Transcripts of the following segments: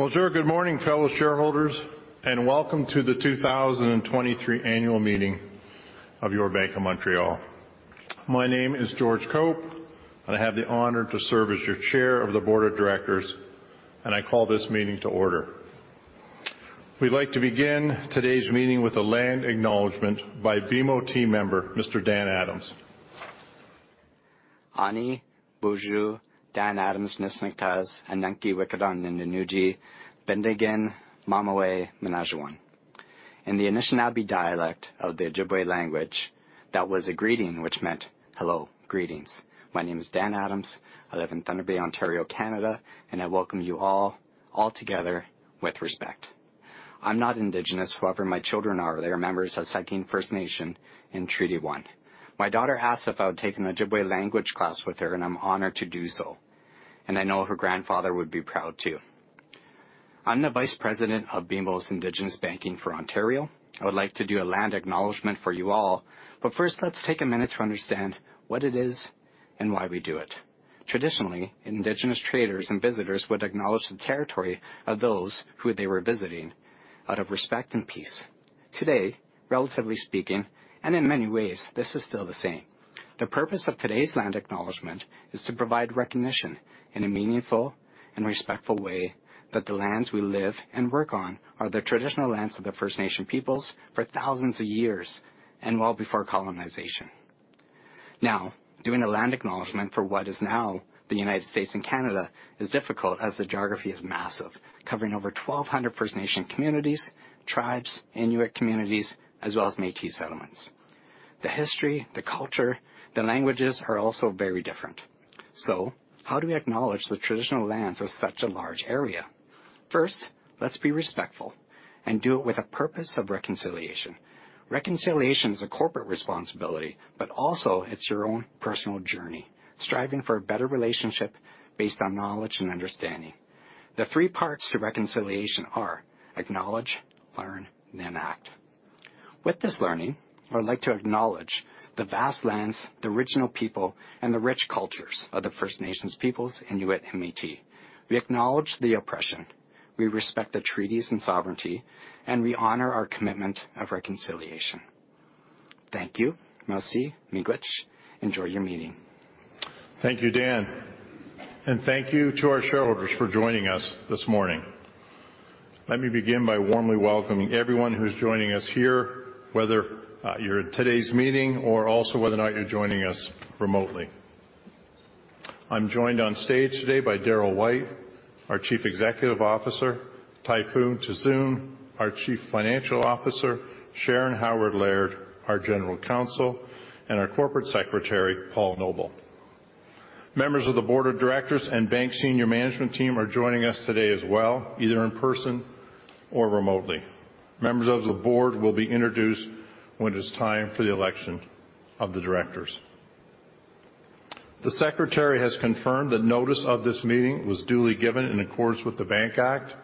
Bonjour. Good morning, fellow shareholders, welcome to the 2023 annual meeting of your Bank of Montreal. My name is George Cope. I have the honor to serve as your Chair of the Board of Directors, I call this meeting to order. We'd like to begin today's meeting with a land acknowledgement by BMO team member, Mr. Dan Adams. Ani boozhoo Dan Adams nindizhinikaaz anaa'akiwelgan nindoonji bindigen mamiwe minajuan. In the Anishinaabe dialect of the Ojibwe language, that was a greeting which meant hello, greetings. My name is Dan Adams. I live in Thunder Bay, Ontario, Canada, and I welcome you all altogether with respect. I'm not Indigenous. However, my children are. They are members of Saugeen First Nation in Treaty One. My daughter asked if I would take an Ojibwe language class with her, and I'm honored to do so, and I know her grandfather would be proud, too. I'm the Vice President of BMO's Indigenous Banking for Ontario. I would like to do a land acknowledgement for you all. First, let's take a minute to understand what it is and why we do it. Traditionally, Indigenous traders and visitors would acknowledge the territory of those who they were visiting out of respect and peace. Today, relatively speaking, and in many ways, this is still the same. The purpose of today's land acknowledgement is to provide recognition in a meaningful and respectful way that the lands we live and work on are the traditional lands of the First Nation peoples for thousands of years and well before colonization. Doing a land acknowledgement for what is now the United States and Canada is difficult as the geography is massive, covering over 1,200 First Nation communities, tribes, Inuit communities, as well as Métis settlements. The history, the culture, the languages are also very different. How do we acknowledge the traditional lands of such a large area? First, let's be respectful and do it with a purpose of reconciliation. Reconciliation is a corporate responsibility, but also it's your own personal journey, striving for a better relationship based on knowledge and understanding. The three parts to reconciliation are acknowledge, learn, and then act. With this learning, I would like to acknowledge the vast lands, the original people, and the rich cultures of the First Nations peoples, Inuit, and Métis. We acknowledge the oppression, we respect the treaties and sovereignty, and we honor our commitment of reconciliation. Thank you. Merci. Miigwech. Enjoy your meeting. Thank you, Dan, and thank you to our shareholders for joining us this morning. Let me begin by warmly welcoming everyone who's joining us here, whether you're at today's meeting or also whether or not you're joining us remotely. I'm joined on stage today by Darryl White, our Chief Executive Officer, Tayfun Tuzun, our Chief Financial Officer, Sharon Haward-Laird, our General Counsel, and our Corporate Secretary, Paul Noble. Members of the board of directors and bank senior management team are joining us today as well, either in person or remotely. Members of the board will be introduced when it is time for the election of the directors. The secretary has confirmed that notice of this meeting was duly given in accordance with the Bank Act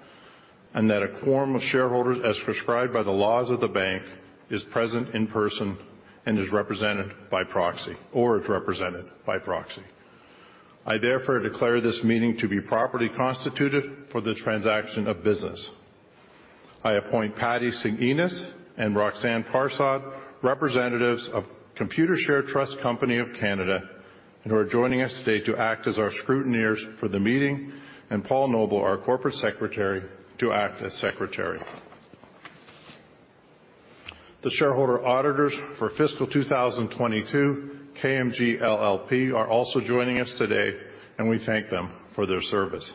and that a quorum of shareholders as prescribed by the laws of the bank is present in person and is represented by proxy, or it's represented by proxy. I therefore declare this meeting to be properly constituted for the transaction of business. I appoint Patty Singh-Innes and Roxanne Persad, representatives of Computershare Trust Company of Canada, who are joining us today to act as our scrutineers for the meeting, and Paul Noble, our corporate secretary, to act as secretary. The shareholder auditors for fiscal 2022, KPMG LLP, are also joining us today, and we thank them for their service.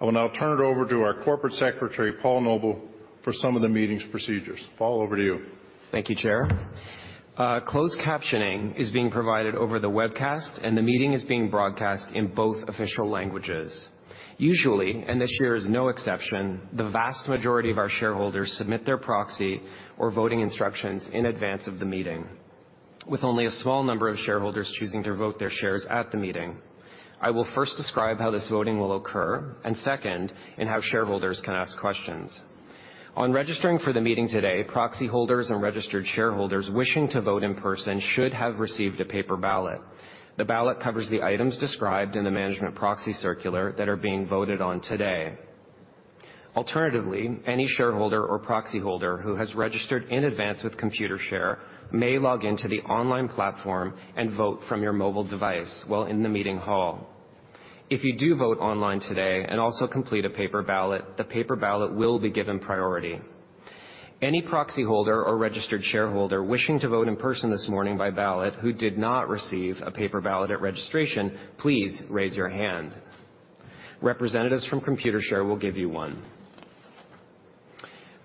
I will now turn it over to our corporate secretary, Paul Noble, for some of the meeting's procedures. Paul, over to you. Thank you, Chair. Closed captioning is being provided over the webcast, the meeting is being broadcast in both official languages. Usually, this year is no exception, the vast majority of our shareholders submit their proxy or voting instructions in advance of the meeting, with only a small number of shareholders choosing to vote their shares at the meeting. I will first describe how this voting will occur and second, how shareholders can ask questions. On registering for the meeting today, proxy holders and registered shareholders wishing to vote in person should have received a paper ballot. The ballot covers the items described in the management proxy circular that are being voted on today. Alternatively, any shareholder or proxy holder who has registered in advance with Computershare may log into the online platform and vote from your mobile device while in the meeting hall. If you do vote online today and also complete a paper ballot, the paper ballot will be given priority. Any proxy holder or registered shareholder wishing to vote in person this morning by ballot who did not receive a paper ballot at registration, please raise your hand. Representatives from Computershare will give you one.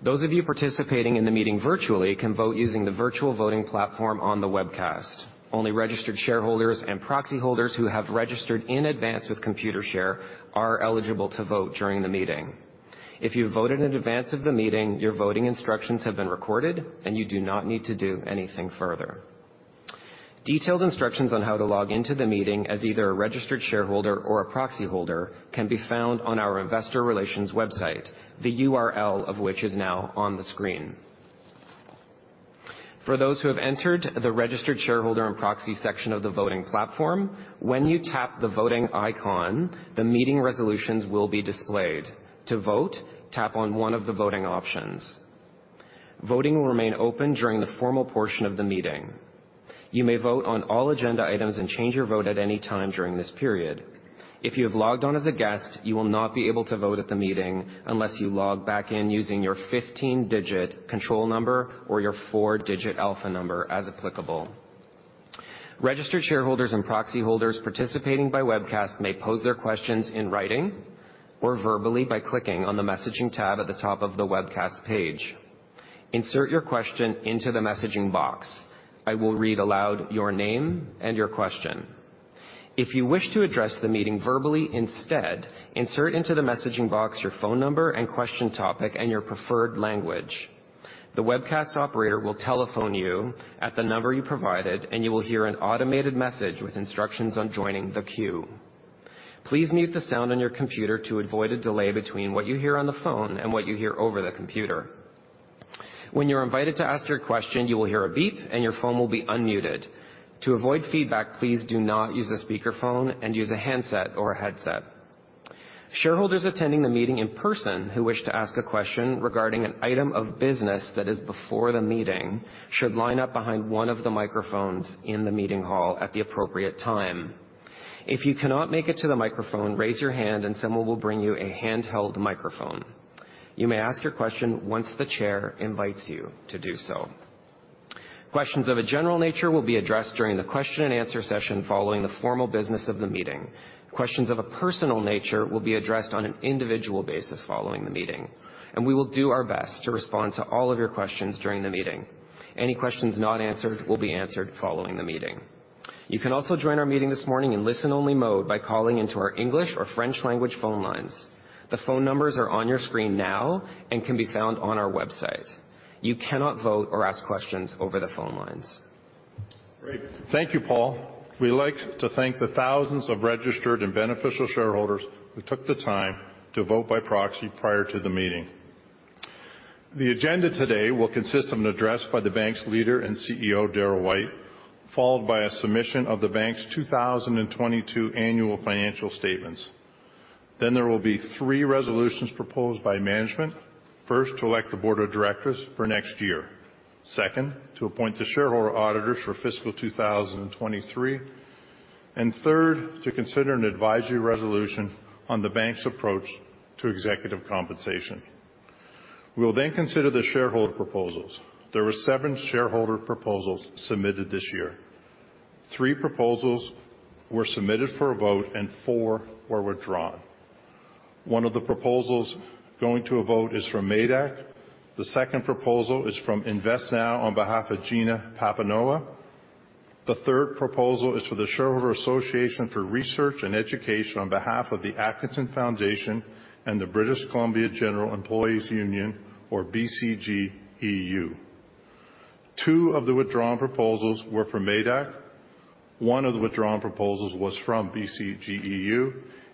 Those of you participating in the meeting virtually can vote using the virtual voting platform on the webcast. Only registered shareholders and proxy holders who have registered in advance with Computershare are eligible to vote during the meeting. If you voted in advance of the meeting, your voting instructions have been recorded, and you do not need to do anything further. Detailed instructions on how to log into the meeting as either a registered shareholder or a proxy holder can be found on our investor relations website, the URL of which is now on the screen. For those who have entered the registered shareholder and proxy section of the voting platform, when you tap the voting icon, the meeting resolutions will be displayed. To vote, tap on one of the voting options. Voting will remain open during the formal portion of the meeting. You may vote on all agenda items and change your vote at any time during this period. If you have logged on as a guest, you will not be able to vote at the meeting unless you log back in using your 15-digit control number or your four-digit alpha number as applicable. Registered shareholders and proxy holders participating by webcast may pose their questions in writing or verbally by clicking on the messaging tab at the top of the webcast page. Insert your question into the messaging box. I will read aloud your name and your question. If you wish to address the meeting verbally instead, insert into the messaging box your phone number and question topic and your preferred language. The webcast operator will telephone you at the number you provided, and you will hear an automated message with instructions on joining the queue. Please mute the sound on your computer to avoid a delay between what you hear on the phone and what you hear over the computer. When you're invited to ask your question, you will hear a beep and your phone will be unmuted. To avoid feedback, please do not use a speakerphone and use a handset or a headset. Shareholders attending the meeting in person who wish to ask a question regarding an item of business that is before the meeting should line up behind one of the microphones in the meeting hall at the appropriate time. If you cannot make it to the microphone, raise your hand, and someone will bring you a handheld microphone. You may ask your question once the chair invites you to do so. Questions of a general nature will be addressed during the question and answer session following the formal business of the meeting. Questions of a personal nature will be addressed on an individual basis following the meeting, and we will do our best to respond to all of your questions during the meeting. Any questions not answered will be answered following the meeting. You can also join our meeting this morning in listen only mode by calling into our English or French language phone lines. The phone numbers are on your screen now and can be found on our website. You cannot vote or ask questions over the phone lines. Great. Thank you, Paul. We like to thank the thousands of registered and beneficial shareholders who took the time to vote by proxy prior to the meeting. The agenda today will consist of an address by the bank's leader and CEO, Darryl White, followed by a submission of the bank's 2022 annual financial statements. There will be three resolutions proposed by management. First, to elect the board of directors for next year. Second, to appoint the shareholder auditors for fiscal 2023. Third, to consider an advisory resolution on the bank's approach to executive compensation. We will consider the shareholder proposals. There were seven shareholder proposals submitted this year. Threeseven proposals were submitted for a vote and 4 were withdrawn. one of the proposals going to a vote is from MÉDAC. The second proposal is from InvestNow on behalf of Gina Pappano. The third proposal is for the Shareholder Association for Research and Education on behalf of the Atkinson Foundation and the BC General Employees' Union, or BCGEU. Two of the withdrawn proposals were from MÉDAC. One of the withdrawn proposals was from BCGEU,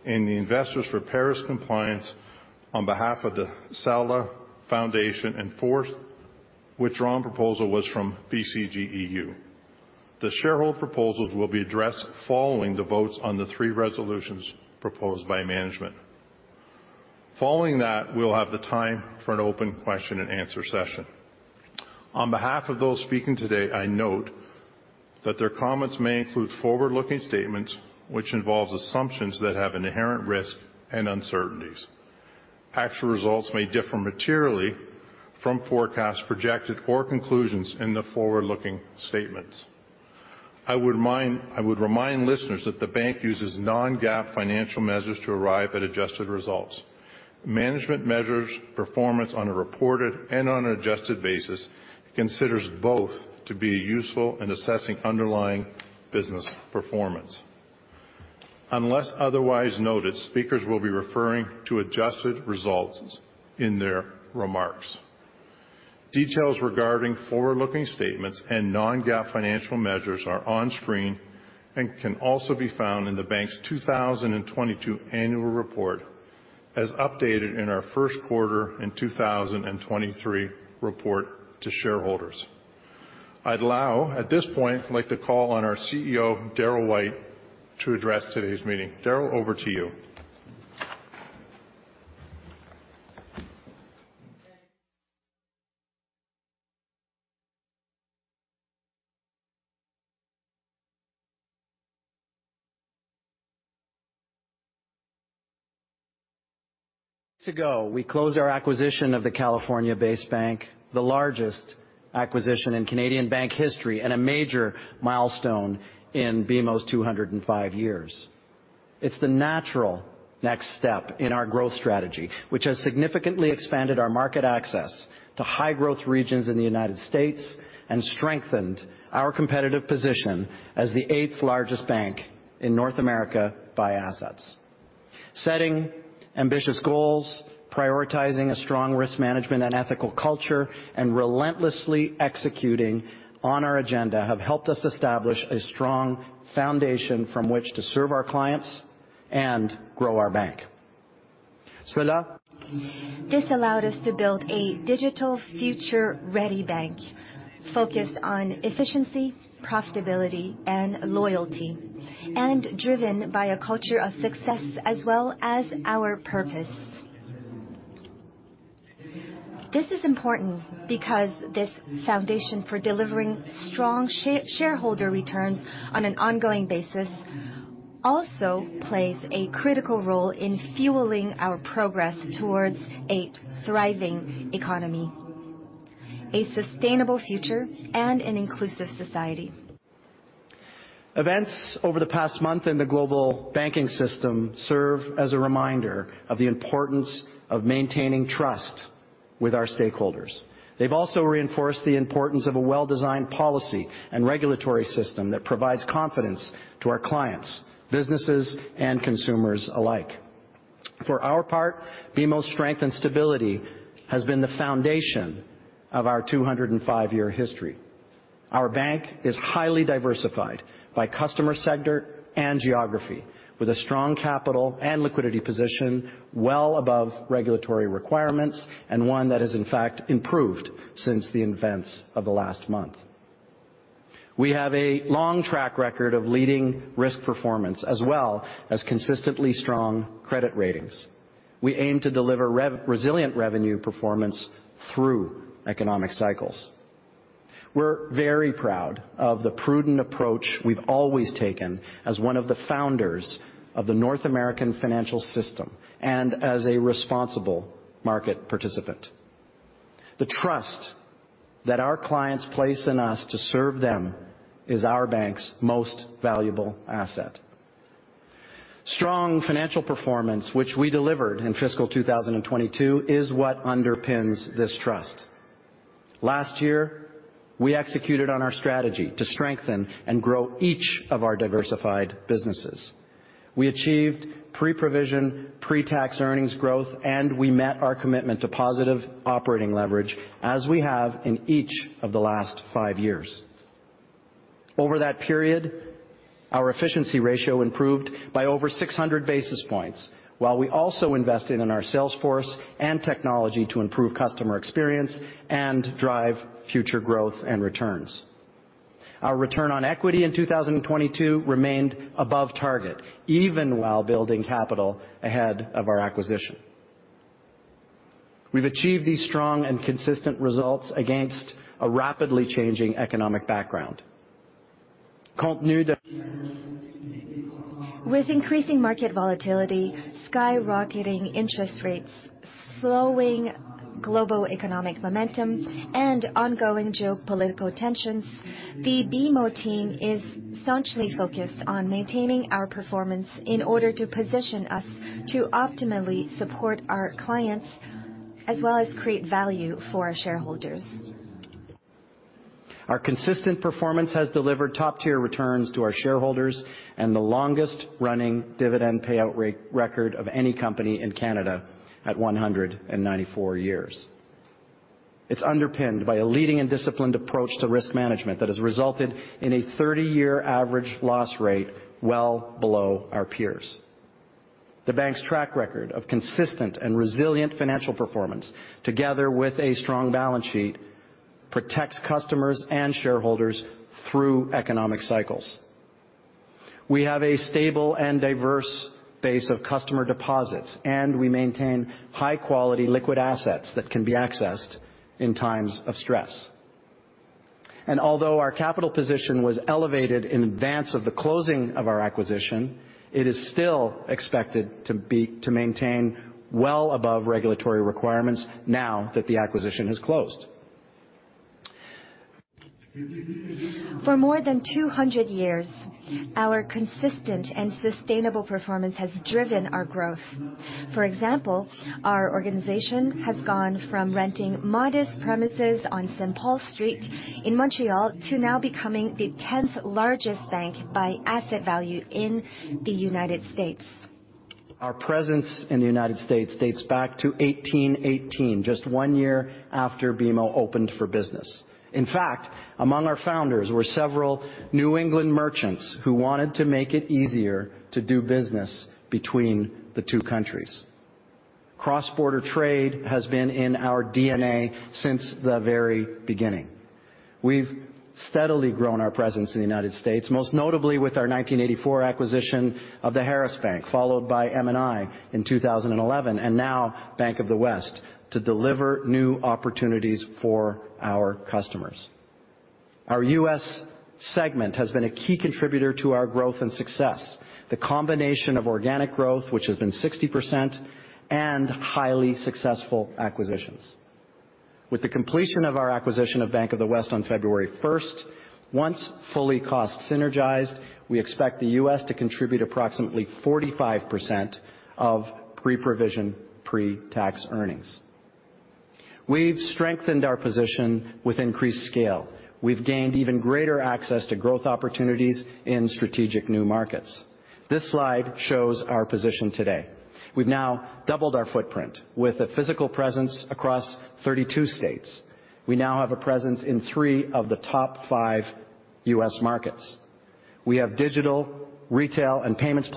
and the Investors for Paris Compliance on behalf of the Salal Foundation, and fourth withdrawn proposal was from BCGEU. The shareholder proposals will be addressed following the votes on the three resolutions proposed by management. Following that, we'll have the time for an open question and answer session. On behalf of those speaking today, I note that their comments may include forward-looking statements, which involves assumptions that have inherent risk and uncertainties. Actual results may differ materially from forecasts projected or conclusions in the forward-looking statements. I would remind listeners that the bank uses non-GAAP financial measures to arrive at adjusted results. Management measures performance on a reported and on an adjusted basis. It considers both to be useful in assessing underlying business performance. Unless otherwise noted, speakers will be referring to adjusted results in their remarks. Details regarding forward-looking statements and non-GAAP financial measures are on screen and can also be found in the bank's 2022 annual report as updated in our first quarter in 2023 report to shareholders. I'd now, at this point, like to call on our CEO, Darryl White, to address today's meeting. Darryl, over to you. We closed our acquisition of the California-based bank, the largest acquisition in Canadian bank history and a major milestone in BMO's 205 years. It's the natural next step in our growth strategy, which has significantly expanded our market access to high growth regions in the U.S. and strengthened our competitive position as the eighth largest bank in North America by assets. Setting ambitious goals, prioritizing a strong risk management and ethical culture, and relentlessly executing on our agenda have helped us establish a strong foundation from which to serve our clients and grow our bank. This allowed us to build a digital future-ready bank focused on efficiency, profitability, and loyalty, and driven by a culture of success as well as our purpose. This is important because this foundation for delivering strong shareholder returns on an ongoing basis also plays a critical role in fueling our progress towards a thriving economy, a sustainable future, and an inclusive society. Events over the past month in the global banking system serve as a reminder of the importance of maintaining trust with our stakeholders. They've also reinforced the importance of a well-designed policy and regulatory system that provides confidence to our clients, businesses and consumers alike. For our part, BMO's strength and stability has been the foundation of our 205-year history. Our bank is highly diversified by customer sector and geography, with a strong capital and liquidity position well above regulatory requirements, and one that has in fact improved since the events of the last month. We have a long track record of leading risk performance as well as consistently strong credit ratings. We aim to deliver resilient revenue performance through economic cycles. We're very proud of the prudent approach we've always taken as one of the founders of the North American financial system and as a responsible market participant. The trust that our clients place in us to serve them is our bank's most valuable asset. Strong financial performance, which we delivered in fiscal 2022, is what underpins this trust. Last year, we executed on our strategy to strengthen and grow each of our diversified businesses. We achieved pre-provision, pre-tax earnings growth, and we met our commitment to positive operating leverage as we have in each of the last five years. Over that period, our efficiency ratio improved by over 600 basis points, while we also invested in our sales force and technology to improve customer experience and drive future growth and returns. Our return on equity in 2022 remained above target, even while building capital ahead of our acquisition. We've achieved these strong and consistent results against a rapidly changing economic background. With increasing market volatility, skyrocketing interest rates, slowing global economic momentum, and ongoing geopolitical tensions, the BMO team is staunchly focused on maintaining our performance in order to position us to optimally support our clients, as well as create value for our shareholders. Our consistent performance has delivered top-tier returns to our shareholders and the longest-running dividend payout record of any company in Canada at 194 years. It's underpinned by a leading and disciplined approach to risk management that has resulted in a 30-year average loss rate well below our peers. The bank's track record of consistent and resilient financial performance, together with a strong balance sheet, protects customers and shareholders through economic cycles. We have a stable and diverse base of customer deposits, we maintain high-quality liquid assets that can be accessed in times of stress. Although our capital position was elevated in advance of the closing of our acquisition, it is still expected to maintain well above regulatory requirements now that the acquisition has closed. For more than 200 years, our consistent and sustainable performance has driven our growth. For example, our organization has gone from renting modest premises on St. Paul Street in Montreal to now becoming the 10th largest bank by asset value in the United States. Our presence in the United States dates back to 1818, just one year after BMO opened for business. In fact, among our founders were several New England merchants who wanted to make it easier to do business between the two countries. Cross-border trade has been in our DNA since the very beginning. We've steadily grown our presence in the United States, most notably with our 1984 acquisition of the Harris Bank, followed by M&I in 2011, and now Bank of the West, to deliver new opportunities for our customers. Our U.S. segment has been a key contributor to our growth and success. The combination of organic growth, which has been 60% and highly successful acquisitions. With the completion of our acquisition of Bank of the West on February 1st, once fully cost synergized, we expect the U.S. to contribute approximately 45% of pre-provision, pre-tax earnings. We've strengthened our position with increased scale. We've gained even greater access to growth opportunities in strategic new markets. This slide shows our position today. We've now doubled our footprint with a physical presence across 32 states. We now have a presence in three of the top five U.S. markets. We have digital, retail, and payments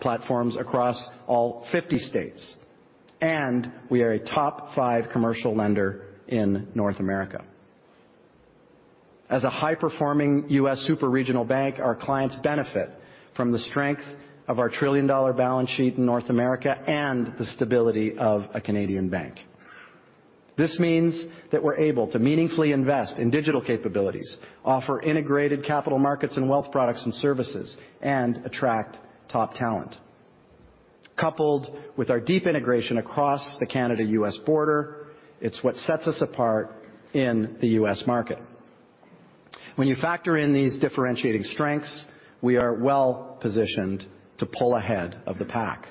platforms across all 50 states, and we are a top five commercial lender in North America. As a high-performing U.S. super-regional bank, our clients benefit from the strength of our trillion-dollar balance sheet in North America and the stability of a Canadian bank. This means that we're able to meaningfully invest in digital capabilities, offer integrated capital markets and wealth products and services, and attract top talent. Coupled with our deep integration across the Canada-U.S. border, it's what sets us apart in the U.S. market. When you factor in these differentiating strengths, we are well-positioned to pull ahead of the pack.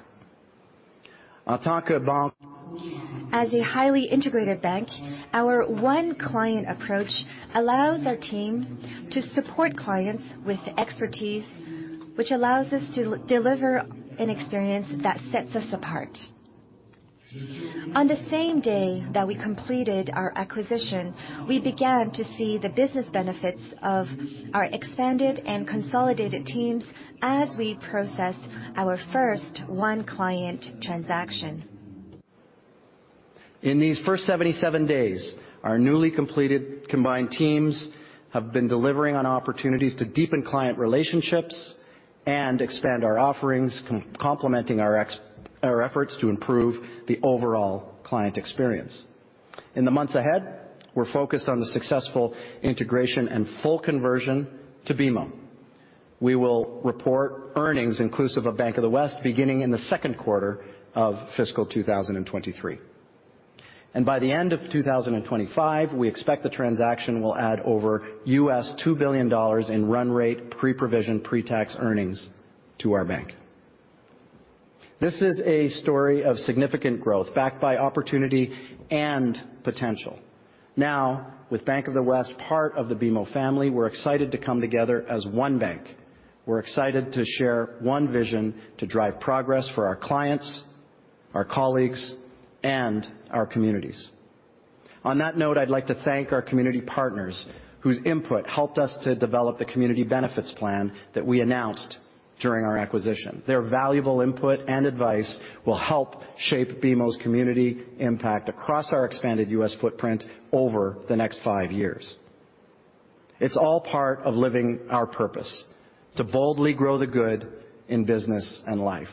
As a highly integrated bank, our one client approach allows our team to support clients with expertise, which allows us to deliver an experience that sets us apart. On the same day that we completed our acquisition, we began to see the business benefits of our expanded and consolidated teams as we processed our first one client transaction. In these first 77 days, our newly completed combined teams have been delivering on opportunities to deepen client relationships and expand our offerings, complementing our efforts to improve the overall client experience. In the months ahead, we're focused on the successful integration and full conversion to BMO. We will report earnings inclusive of Bank of the West beginning in the second quarter of fiscal 2023. By the end of 2025, we expect the transaction will add over $2 billion in run rate, pre-provision, pre-tax earnings to our bank. This is a story of significant growth backed by opportunity and potential. Now, with Bank of the West, part of the BMO family, we're excited to come together as one bank. We're excited to share one vision to drive progress for our clients, our colleagues, and our communities. On that note, I'd like to thank our community partners whose input helped us to develop the community benefits plan that we announced during our acquisition. Their valuable input and advice will help shape BMO's community impact across our expanded U.S. footprint over the next five years. It's all part of living our purpose, to boldly grow the good in business and life.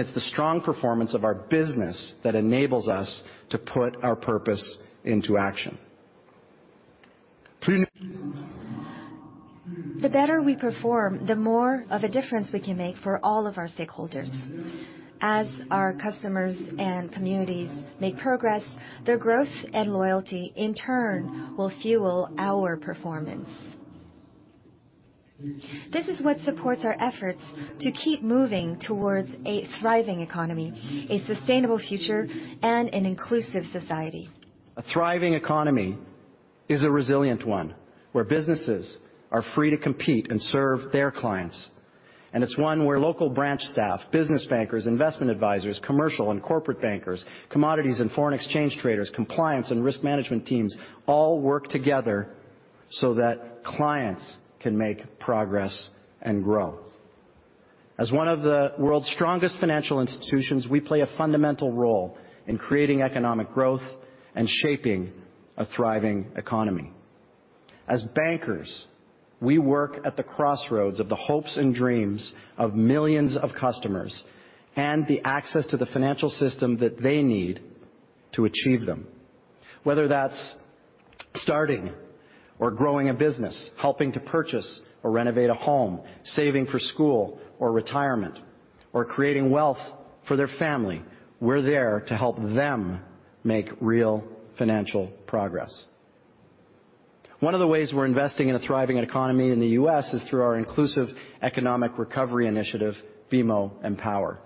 It's the strong performance of our business that enables us to put our purpose into action. The better we perform, the more of a difference we can make for all of our stakeholders. As our customers and communities make progress, their growth and loyalty, in turn, will fuel our performance. This is what supports our efforts to keep moving towards a thriving economy, a sustainable future, and an inclusive society. A thriving economy is a resilient one, where businesses are free to compete and serve their clients. It's one where local branch staff, business bankers, investment advisors, commercial and corporate bankers, commodities and foreign exchange traders, compliance and risk management teams all work together so that clients can make progress and grow. As one of the world's strongest financial institutions, we play a fundamental role in creating economic growth and shaping a thriving economy. As bankers, we work at the crossroads of the hopes and dreams of millions of customers and the access to the financial system that they need to achieve them. Whether that's starting or growing a business, helping to purchase or renovate a home, saving for school or retirement, or creating wealth for their family, we're there to help them make real financial progress. One of the ways we're investing in a thriving economy in the U.S. is through our inclusive economic recovery initiative, BMO EMpower.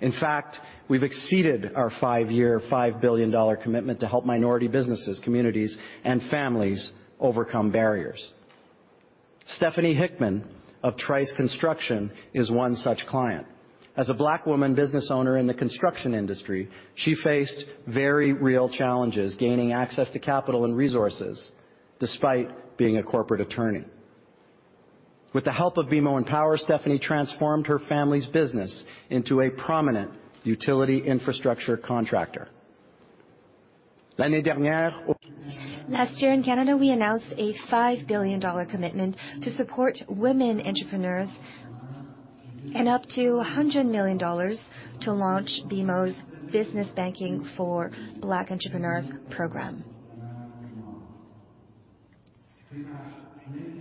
In fact, we've exceeded our five-year, $5 billion commitment to help minority businesses, communities, and families overcome barriers. Stephanie Hickman of Trice Construction is one such client. As a Black woman business owner in the construction industry, she faced very real challenges gaining access to capital and resources despite being a corporate attorney. With the help of BMO EMpower, Stephanie transformed her family's business into a prominent utility infrastructure contractor. Last year in Canada, we announced a 5 billion dollar commitment to support women entrepreneurs and up to 100 million dollars to launch BMO's Business Banking for Black Entrepreneurs program.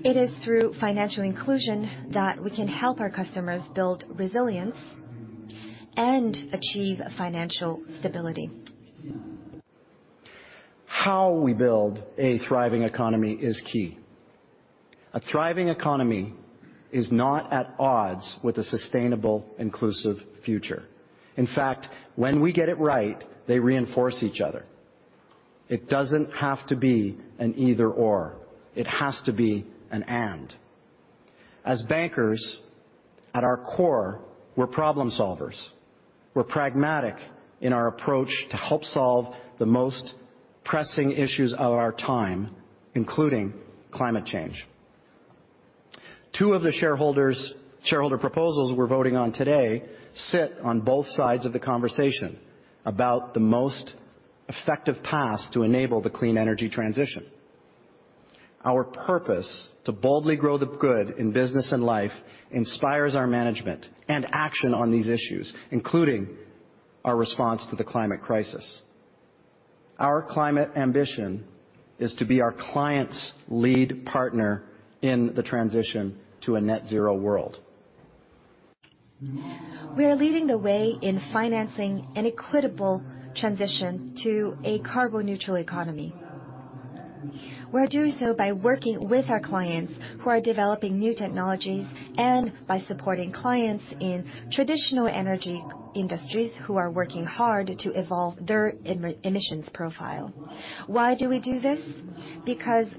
It is through financial inclusion that we can help our customers build resilience and achieve financial stability. How we build a thriving economy is key. A thriving economy is not at odds with a sustainable, inclusive future. In fact, when we get it right, they reinforce each other. It doesn't have to be an either/or. It has to be an and. At our core, we're problem solvers. We're pragmatic in our approach to help solve the most pressing issues of our time, including climate change. Two of the shareholder proposals we're voting on today sit on both sides of the conversation about the most effective paths to enable the clean energy transition. Our purpose to boldly grow the good in business and life inspires our management and action on these issues, including our response to the climate crisis. Our climate ambition is to be our clients' lead partner in the transition to a net-zero world. We are leading the way in financing an equitable transition to a carbon-neutral economy. We're doing so by working with our clients who are developing new technologies and by supporting clients in traditional energy industries who are working hard to evolve their emissions profile. Why do we do this?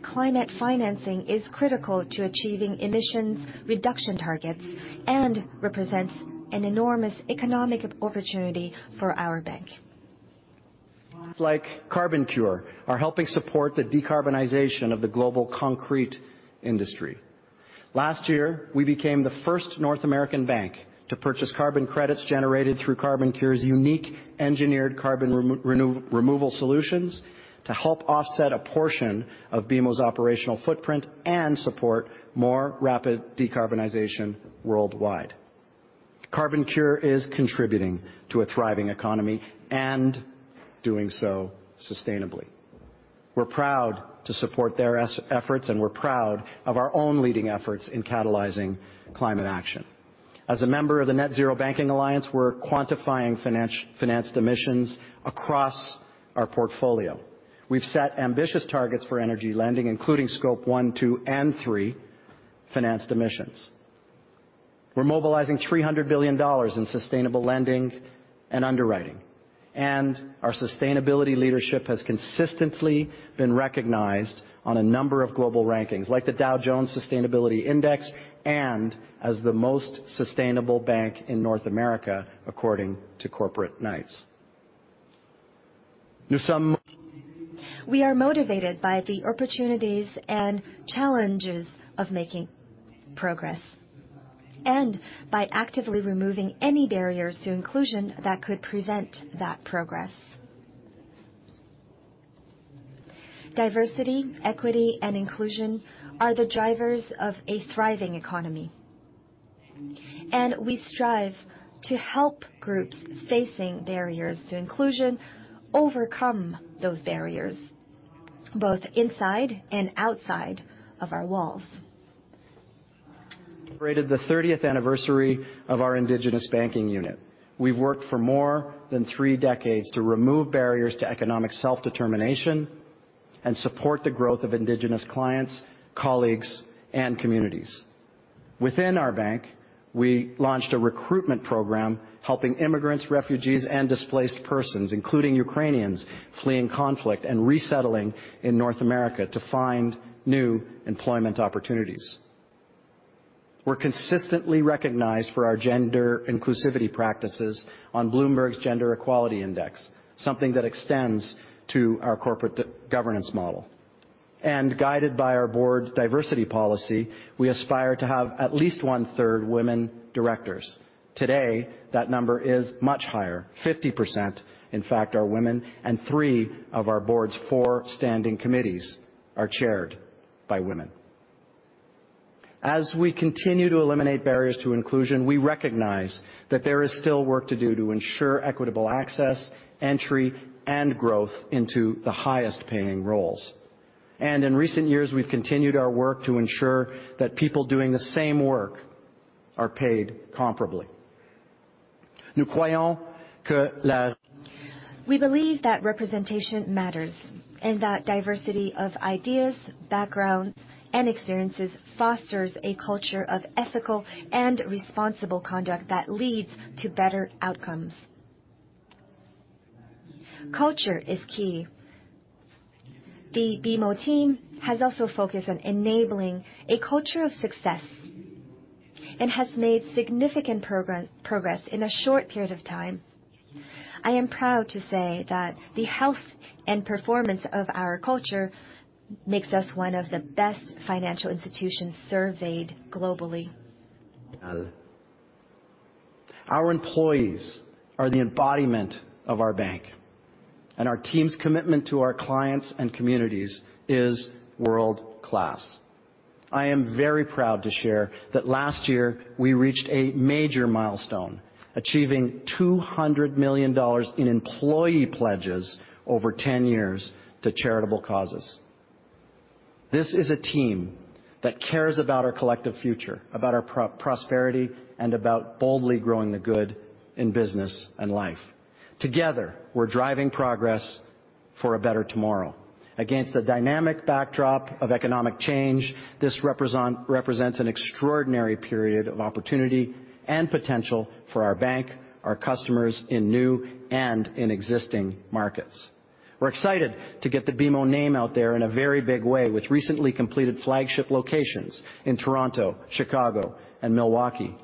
Climate financing is critical to achieving emissions reduction targets and represents an enormous economic opportunity for our bank. It's like CarbonCure are helping support the decarbonization of the global concrete industry. Last year, we became the first North American bank to purchase carbon credits generated through CarbonCure's unique engineered carbon removal solutions to help offset a portion of BMO's operational footprint and support more rapid decarbonization worldwide. CarbonCure is contributing to a thriving economy and doing so sustainably. We're proud to support their efforts, and we're proud of our own leading efforts in catalyzing climate action. As a member of the Net-Zero Banking Alliance, we're quantifying financed emissions across our portfolio. We've set ambitious targets for energy lending, including Scope one, two, and three financed emissions. We're mobilizing 300 billion dollars in sustainable lending and underwriting, and our sustainability leadership has consistently been recognized on a number of global rankings, like the Dow Jones Sustainability Index and as the most sustainable bank in North America, according to Corporate Knights. We are motivated by the opportunities and challenges of making progress, and by actively removing any barriers to inclusion that could prevent that progress. Diversity, equity, and inclusion are the drivers of a thriving economy, and we strive to help groups facing barriers to inclusion overcome those barriers, both inside and outside of our walls. Celebrated the 30th anniversary of our Indigenous Banking Unit. We've worked for more than three decades to remove barriers to economic self-determination and support the growth of Indigenous clients, colleagues, and communities. Within our bank, we launched a recruitment program helping immigrants, refugees, and displaced persons, including Ukrainians fleeing conflict and resettling in North America to find new employment opportunities. We're consistently recognized for our gender inclusivity practices on Bloomberg Gender-Equality Index, something that extends to our corporate go-governance model. Guided by our board diversity policy, we aspire to have at least one-third women directors. Today, that number is much higher. 50%, in fact, are women, and three of our board's four standing committees are chaired by women. As we continue to eliminate barriers to inclusion, we recognize that there is still work to do to ensure equitable access, entry, and growth into the highest-paying roles. In recent years, we've continued our work to ensure that people doing the same work are paid comparably. We believe that representation matters and that diversity of ideas, backgrounds, and experiences fosters a culture of ethical and responsible conduct that leads to better outcomes. Culture is key. The BMO team has also focused on enabling a culture of success and has made significant progress in a short period of time. I am proud to say that the health and performance of our culture makes us one of the best financial institutions surveyed globally. Our employees are the embodiment of our bank, and our team's commitment to our clients and communities is world-class. I am very proud to share that last year, we reached a major milestone, achieving 200 million dollars in employee pledges over 10 years to charitable causes. This is a team that cares about our collective future, about our pro-prosperity, and about boldly growing the good in business and life. Together, we're driving progress for a better tomorrow. Against the dynamic backdrop of economic change, this represents an extraordinary period of opportunity and potential for our bank, our customers in new and in existing markets. We're excited to get the BMO name out there in a very big way with recently completed flagship locations in Toronto, Chicago, and Milwaukee.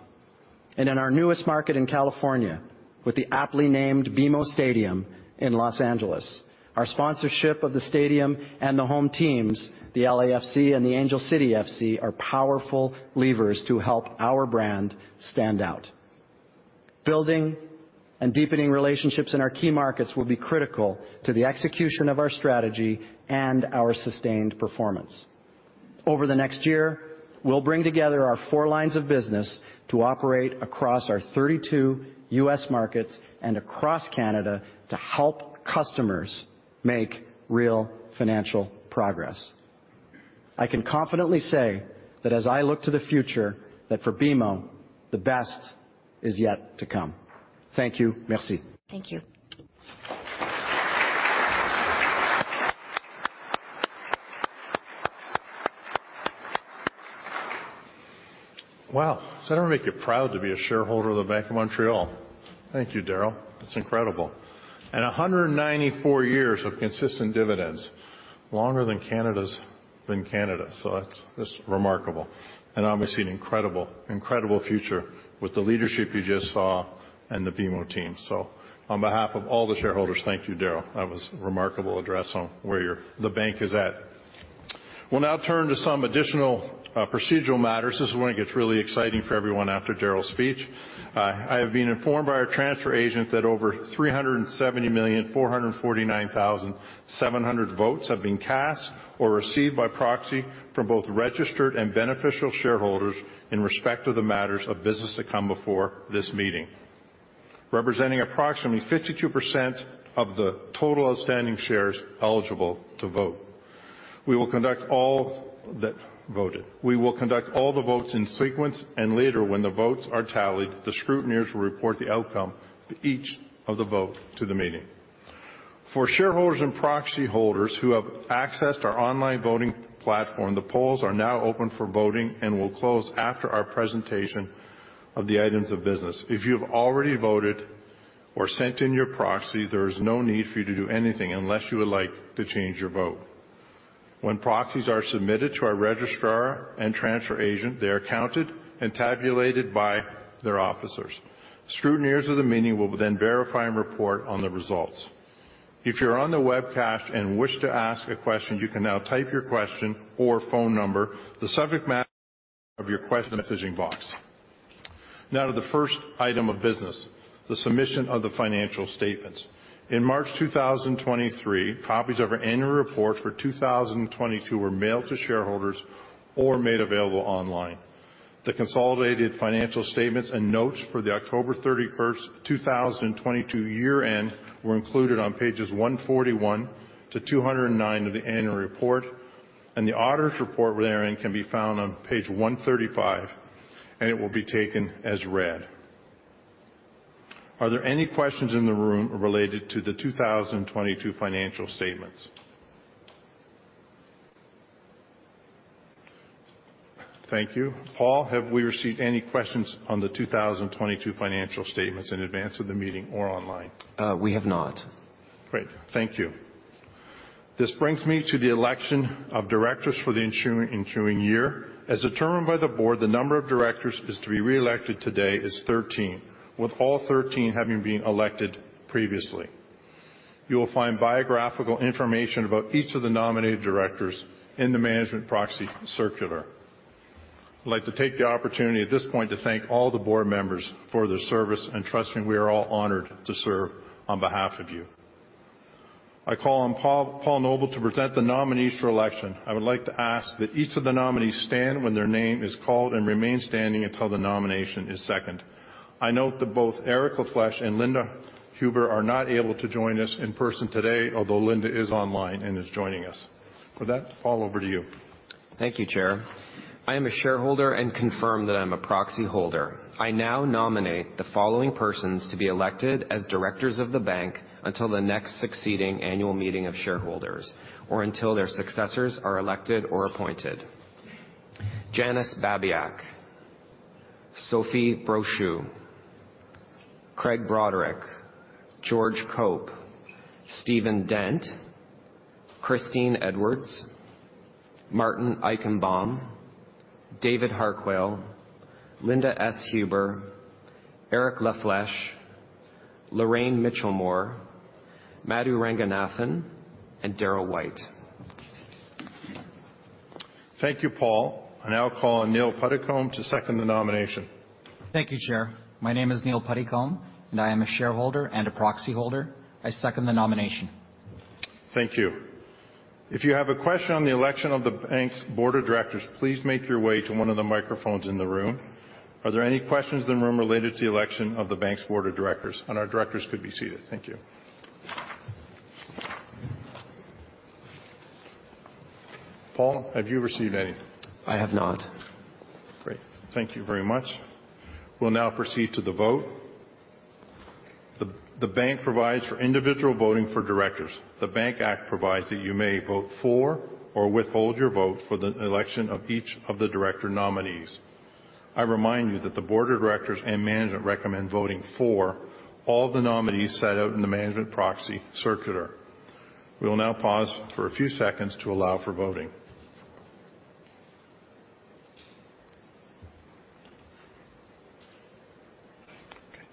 In our newest market in California, with the aptly named BMO Stadium in Los Angeles. Our sponsorship of the stadium and the home teams, the LAFC and the Angel City FC, are powerful levers to help our brand stand out. Building and deepening relationships in our key markets will be critical to the execution of our strategy and our sustained performance. Over the next year, we'll bring together our four lines of business to operate across our 32 U.S. markets and across Canada to help customers make real financial progress. I can confidently say that as I look to the future, that for BMO, the best is yet to come. Thank you. Merci. Thank you. Wow. Doesn't that make you proud to be a shareholder of the Bank of Montreal? Thank you, Darryl. That's incredible. 194 years of consistent dividends, longer than Canada. That's remarkable. Obviously, an incredible future with the leadership you just saw and the BMO team. On behalf of all the shareholders, thank you, Darryl. That was a remarkable address on where the bank is at. We'll now turn to some additional procedural matters. This is when it gets really exciting for everyone after Darryl's speech. I have been informed by our transfer agent that over 370,449,700 votes have been cast or received by proxy from both registered and beneficial shareholders in respect to the matters of business that come before this meeting, representing approximately 52% of the total outstanding shares eligible to vote. We will conduct all the votes in sequence, and later, when the votes are tallied, the scrutineers will report the outcome of each of the vote to the meeting. For shareholders and proxy holders who have accessed our online voting platform, the polls are now open for voting and will close after our presentation of the items of business. If you have already voted or sent in your proxy, there is no need for you to do anything unless you would like to change your vote. When proxies are submitted to our registrar and transfer agent, they are counted and tabulated by their officers. Scrutineers of the meeting will verify and report on the results. If you're on the webcast and wish to ask a question, you can now type your question or phone number, the subject matter of your question messaging box. To the first item of business, the submission of the financial statements. In March 2023, copies of our annual report for 2022 were mailed to shareholders or made available online. The consolidated financial statements and notes for the October 31st, 2022 year-end were included on pages 141-209 of the annual report, the auditor's report therein can be found on page 135, it will be taken as read. Are there any questions in the room related to the 2022 financial statements? Thank you. Paul, have we received any questions on the 2022 financial statements in advance of the meeting or online? We have not. Great. Thank you. This brings me to the election of directors for the ensuing year. As determined by the board, the number of directors to be reelected today is 13, with all 13 having been elected previously. You will find biographical information about each of the nominated directors in the management proxy circular. I'd like to take the opportunity at this point to thank all the board members for their service. Trust me, we are all honored to serve on behalf of you. I call on Paul Noble to present the nominees for election. I would like to ask that each of the nominees stand when their name is called and remain standing until the nomination is second. I note that both Eric La Flèche and Linda Huber are not able to join us in person today. Linda is online and is joining us. With that, Paul, over to you. Thank you, Chair. I am a shareholder and confirm that I'm a proxyholder. I now nominate the following persons to be elected as directors of the bank until the next succeeding annual meeting of shareholders or until their successors are elected or appointed. Janice Babiak, Sophie Brochu, Craig Broderick, George Cope, Stephen Dent, Christine Edwards, Martin Eichenbaum, David Harquail, Linda S. Huber, Eric La Flèche, Lorraine Mitchell-Moore, Madhu Ranganathan, and Darryl White. Thank you, Paul. I now call on Neil Puddicombe to second the nomination. Thank you, Chair. My name is Neil Puddicombe, and I am a shareholder and a proxyholder. I second the nomination. Thank you. If you have a question on the election of the bank's board of directors, please make your way to one of the microphones in the room. Are there any questions in the room related to the election of the bank's board of directors? Our directors could be seated. Thank you. Paul, have you received any? I have not. Great. Thank you very much. We'll now proceed to the vote. The bank provides for individual voting for directors. The Bank Act provides that you may vote for or withhold your vote for the election of each of the director nominees. I remind you that the board of directors and management recommend voting for all the nominees set out in the management proxy circular. We will now pause for a few seconds to allow for voting.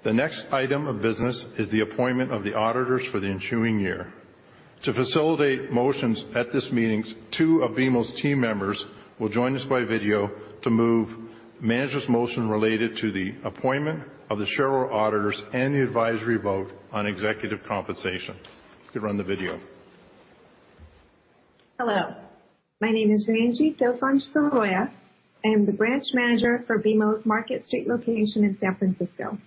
The next item of business is the appointment of the auditors for the ensuing year. To facilitate motions at this meeting, two of BMO's team members will join us by video to move manager's motion related to the appointment of the shareholder auditors and the advisory vote on executive compensation. You could run the video. Hello. My name is Ranjeet Dosanjh-Saroia. I am the branch manager for BMO's Market Street location in San Francisco.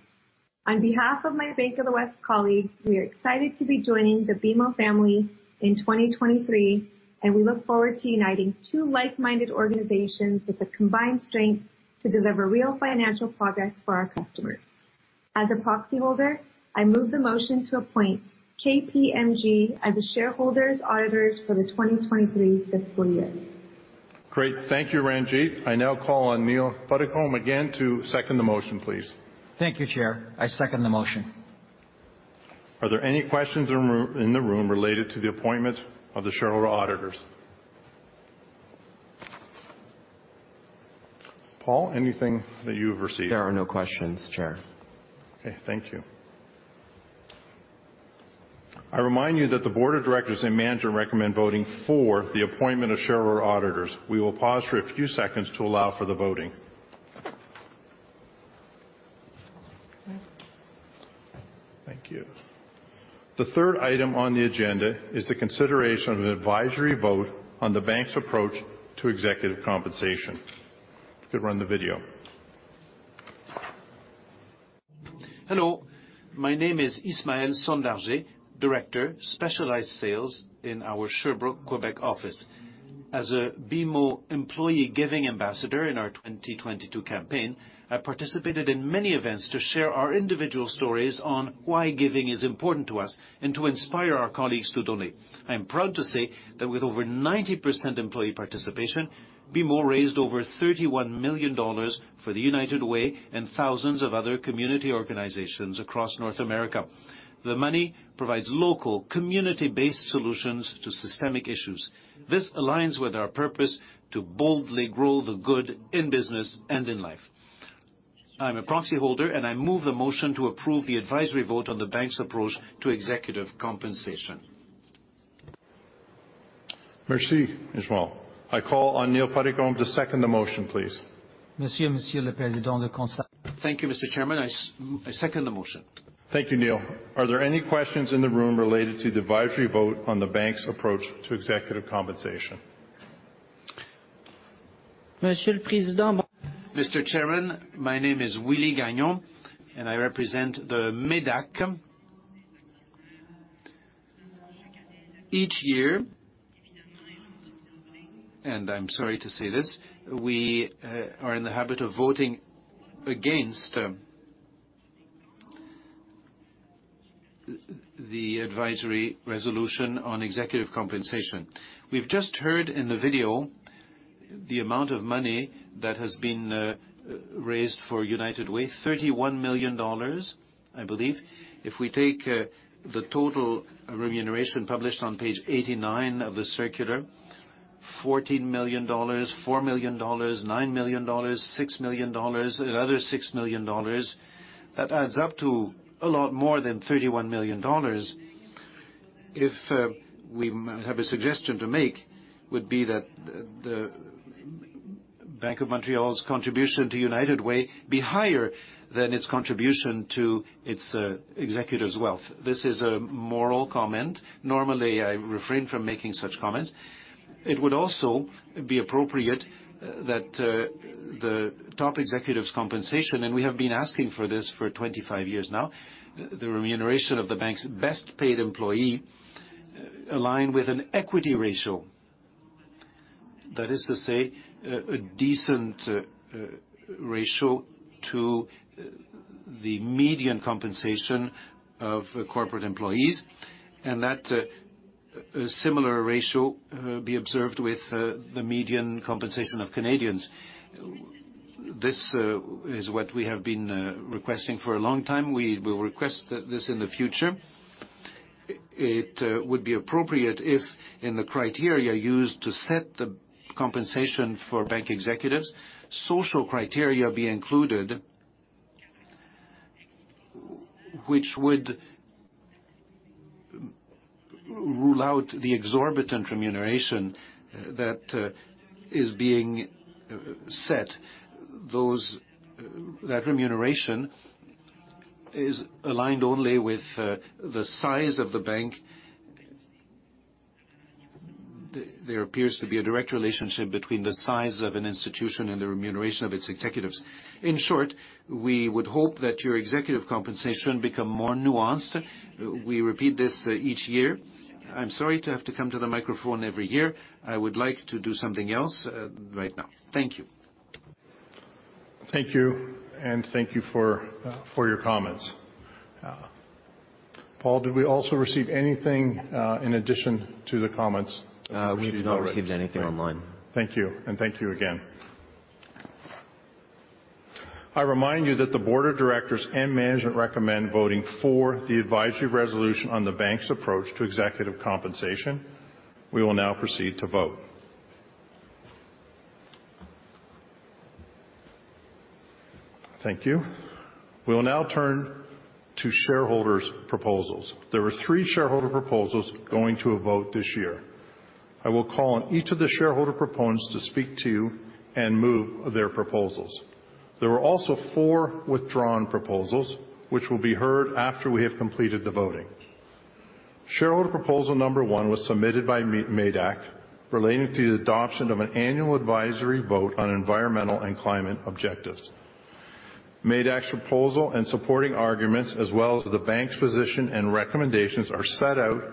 On behalf of my Bank of the West colleagues, we are excited to be joining the BMO family in 2023. We look forward to uniting two like-minded organizations with the combined strength to deliver real financial progress for our customers. As a proxy holder, I move the motion to appoint KPMG as the shareholders' auditors for the 2023 fiscal year. Great. Thank you, Ranjeet. I now call on Neil Puddicombe again to second the motion, please. Thank you, Chair. I second the motion. Are there any questions in the room related to the appointment of the shareholder auditors? Paul, anything that you've received? There are no questions, Chair. Okay. Thank you. I remind you that the board of directors and management recommend voting for the appointment of shareholder auditors. We will pause for a few seconds to allow for the voting. Thank you. The third item on the agenda is the consideration of an advisory vote on the bank's approach to executive compensation. You could run the video. Hello. My name is Ismaël Soumagne, Director, Specialized Sales in our Sherbrooke, Quebec office. As a BMO employee giving ambassador in our 2022 campaign, I participated in many events to share our individual stories on why giving is important to us and to inspire our colleagues to donate. I'm proud to say that with over 90% employee participation, BMO raised over 31 million dollars for the United Way and thousands of other community organizations across North America. The money provides local community-based solutions to systemic issues. This aligns with our purpose to boldly grow the good in business and in life. I'm a proxy holder, and I move the motion to approve the advisory vote on the bank's approach to executive compensation. Merci, Ismael. I call on Neil Puddicombe to second the motion, please. Thank you, Mr. Chairman. I second the motion. Thank you, Neil. Are there any questions in the room related to the advisory vote on the bank's approach to executive compensation? Mr. Chairman, my name is Willie Gagnon, I represent the MÉDAC. Each year, I'm sorry to say this, we are in the habit of voting against the advisory resolution on executive compensation. We've just heard in the video the amount of money that has been raised for United Way, 31 million dollars, I believe. If we take the total remuneration published on page 89 of the circular, 14 million dollars, 4 million dollars, 9 million dollars, 6 million dollars, another 6 million dollars, that adds up to a lot more than 31 million dollars. If we have a suggestion to make would be that the Bank of Montreal's contribution to United Way be higher than its contribution to its executives' wealth. This is a moral comment. Normally, I refrain from making such comments. It would also be appropriate that the top executives' compensation, and we have been asking for this for 25 years now, the remuneration of the bank's best-paid employee align with an equity ratio. That is to say, a decent ratio to the median compensation of corporate employees, and that a similar ratio be observed with the median compensation of Canadians. This is what we have been requesting for a long time. We will request this in the future. It would be appropriate if in the criteria used to set the compensation for bank executives, social criteria be included, which would rule out the exorbitant remuneration that is being set. That remuneration is aligned only with the size of the bank. There appears to be a direct relationship between the size of an institution and the remuneration of its executives. In short, we would hope that your executive compensation become more nuanced. We repeat this each year. I'm sorry to have to come to the microphone every year. I would like to do something else, right now. Thank you. Thank you, thank you for your comments. Paul, did we also receive anything in addition to the comments? We've not received anything online. Thank you. Thank you again. I remind you that the board of directors and management recommend voting for the advisory resolution on the bank's approach to executive compensation. We will now proceed to vote. Thank you. We will now turn to shareholders' proposals. There were three shareholder proposals going to a vote this year. I will call on each of the shareholder proponents to speak to and move their proposals. There were also four withdrawn proposals, which will be heard after we have completed the voting. Shareholder proposal number one was submitted by MÉDAC relating to the adoption of an annual advisory vote on environmental and climate objectives. MÉDAC's proposal and supporting arguments, as well as the bank's position and recommendations, are set out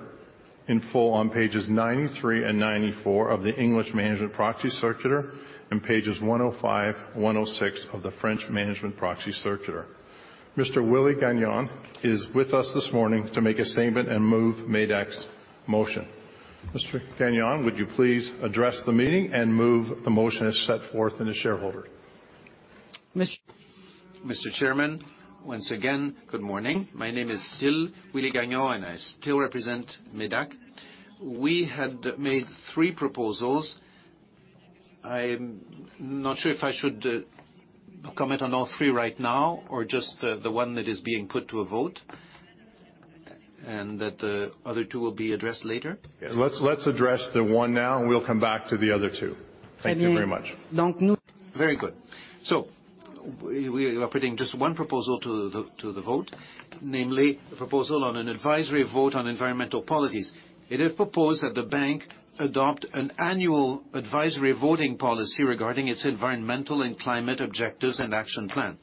in full on pages 93 and 94 of the English management proxy circular and pages 105, 106 of the French management proxy circular. Mr. Wille Gagnon is with us this morning to make a statement and move MÉDAC's motion. Mr. Gagnon, would you please address the meeting and move the motion as set forth in the shareholder? Mr. Chairman, once again, good morning. My name is still Willie Gagnon. I still represent MÉDAC. We had made three proposals. I'm not sure if I should comment on all three right now or just the one that is being put to a vote. The other two will be addressed later. Let's address the one now, and we'll come back to the other two. Thank you very much. Very good. We are putting just one proposal to the vote, namely the proposal on an advisory vote on environmental policies. It is proposed that the bank adopt an annual advisory voting policy regarding its environmental and climate objectives and action plan.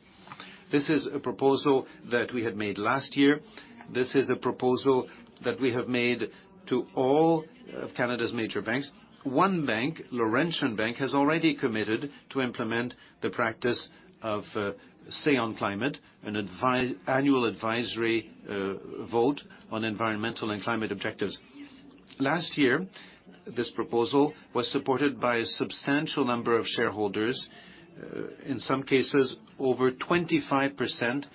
This is a proposal that we had made last year. This is a proposal that we have made to all of Canada's major banks. one bank, Laurentian Bank, has already committed to implement the practice of Say on Climate, an annual advisory vote on environmental and climate objectives. Last year, this proposal was supported by a substantial number of shareholders, in some cases over 25%.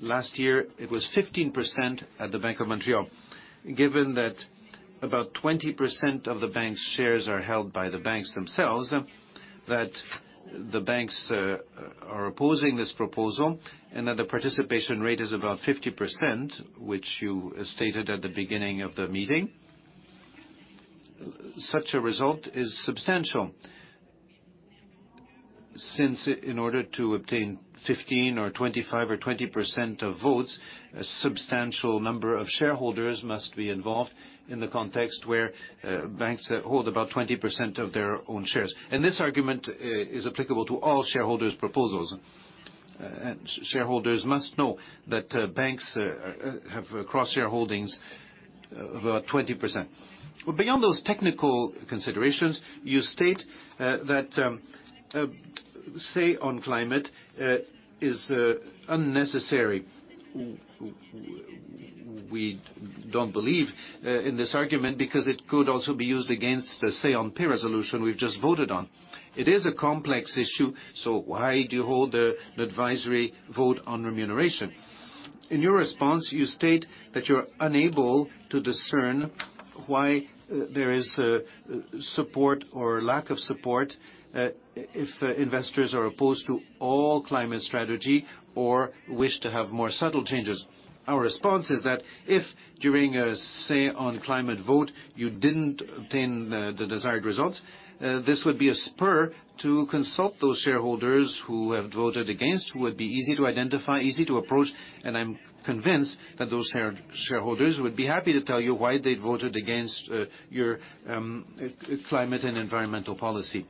Last year, it was 15% at the Bank of Montreal. Given that about 20% of the bank's shares are held by the banks themselves, that the banks are opposing this proposal and that the participation rate is about 50%, which you stated at the beginning of the meeting, such a result is substantial. Since in order to obtain 15 or 25 or 20% of votes, a substantial number of shareholders must be involved in the context where banks hold about 20% of their own shares. This argument is applicable to all shareholders' proposals. Shareholders must know that banks have cross-share holdings of about 20%. Beyond those technical considerations, you state that Say on Climate is unnecessary. We don't believe in this argument because it could also be used against the Say on Pay resolution we've just voted on. It is a complex issue. Why do you hold an advisory vote on remuneration? In your response, you state that you're unable to discern why there is support or lack of support if investors are opposed to all climate strategy or wish to have more subtle changes. Our response is that if during a Say on Climate vote, you didn't obtain the desired results, this would be a spur to consult those shareholders who have voted against, who would be easy to identify, easy to approach, and I'm convinced that those shareholders would be happy to tell you why they voted against your climate and environmental policy.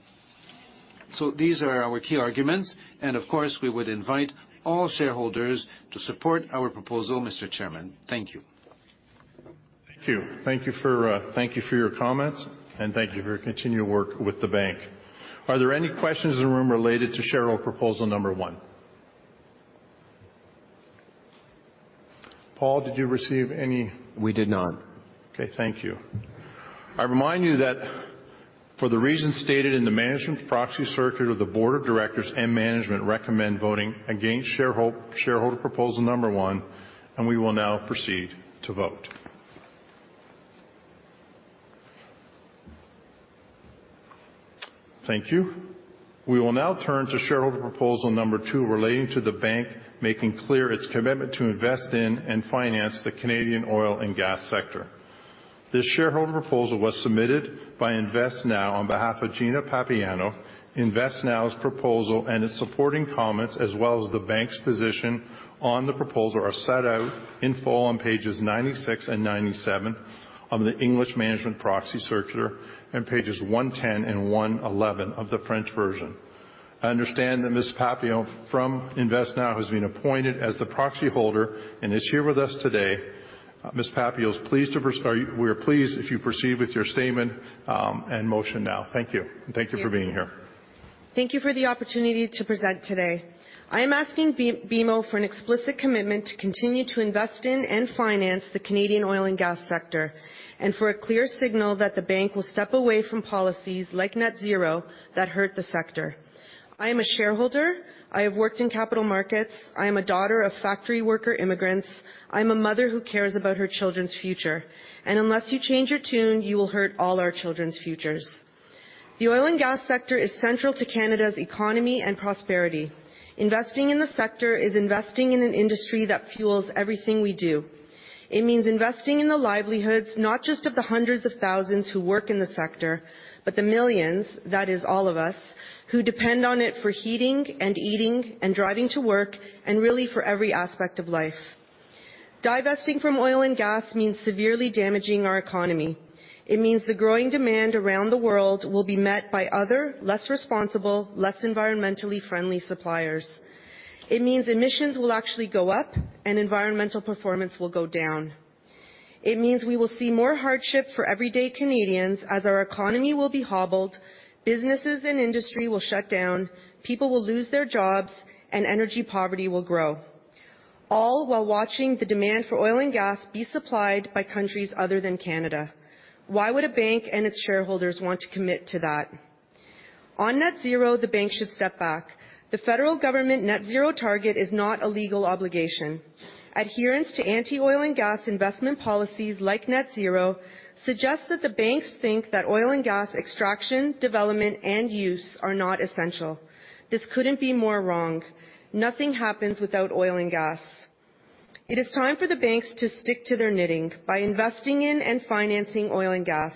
These are our key arguments, and of course, we would invite all shareholders to support our proposal, Mr. Chairman. Thank you. Thank you. Thank you for your comments. Thank you for your continued work with the Bank. Are there any questions in the room related to shareholder proposal number one? Paul, did you receive. We did not. Okay. Thank you. I remind you that for the reasons stated in the management proxy circular, the board of directors and management recommend voting against shareholder proposal number one. We will now proceed to vote. Thank you. We will now turn to shareholder proposal number two relating to the bank making clear its commitment to invest in and finance the Canadian oil and gas sector. This shareholder proposal was submitted by InvestNow on behalf of Gina Pappano. InvestNow's proposal and its supporting comments, as well as the bank's position on the proposal, are set out in full on pages 96 and 97 of the English management proxy circular and pages 110 and 111 of the French version. I understand that Ms. Pappano from InvestNow has been appointed as the proxy holder and is here with us today. We are pleased if you proceed with your statement and motion now. Thank you. Thank you. Thank you for being here. Thank you for the opportunity to present today. I am asking BMO for an explicit commitment to continue to invest in and finance the Canadian oil and gas sector, and for a clear signal that the bank will step away from policies like net zero that hurt the sector. I am a shareholder. I have worked in capital markets. I am a daughter of factory worker immigrants. I'm a mother who cares about her children's future. Unless you change your tune, you will hurt all our children's futures. The oil and gas sector is central to Canada's economy and prosperity. Investing in the sector is investing in an industry that fuels everything we do. It means investing in the livelihoods, not just of the hundreds of thousands who work in the sector, but the millions, that is all of us, who depend on it for heating and eating and driving to work, and really, for every aspect of life. Divesting from oil and gas means severely damaging our economy. It means the growing demand around the world will be met by other, less responsible, less environmentally friendly suppliers. It means emissions will actually go up and environmental performance will go down. It means we will see more hardship for everyday Canadians as our economy will be hobbled, businesses and industry will shut down, people will lose their jobs, and energy poverty will grow, all while watching the demand for oil and gas be supplied by countries other than Canada. Why would a bank and its shareholders want to commit to that? On net zero, the bank should step back. The federal government net zero target is not a legal obligation. Adherence to anti-oil and gas investment policies like net zero suggests that the banks think that oil and gas extraction, development, and use are not essential. This couldn't be more wrong. Nothing happens without oil and gas. It is time for the banks to stick to their knitting by investing in and financing oil and gas.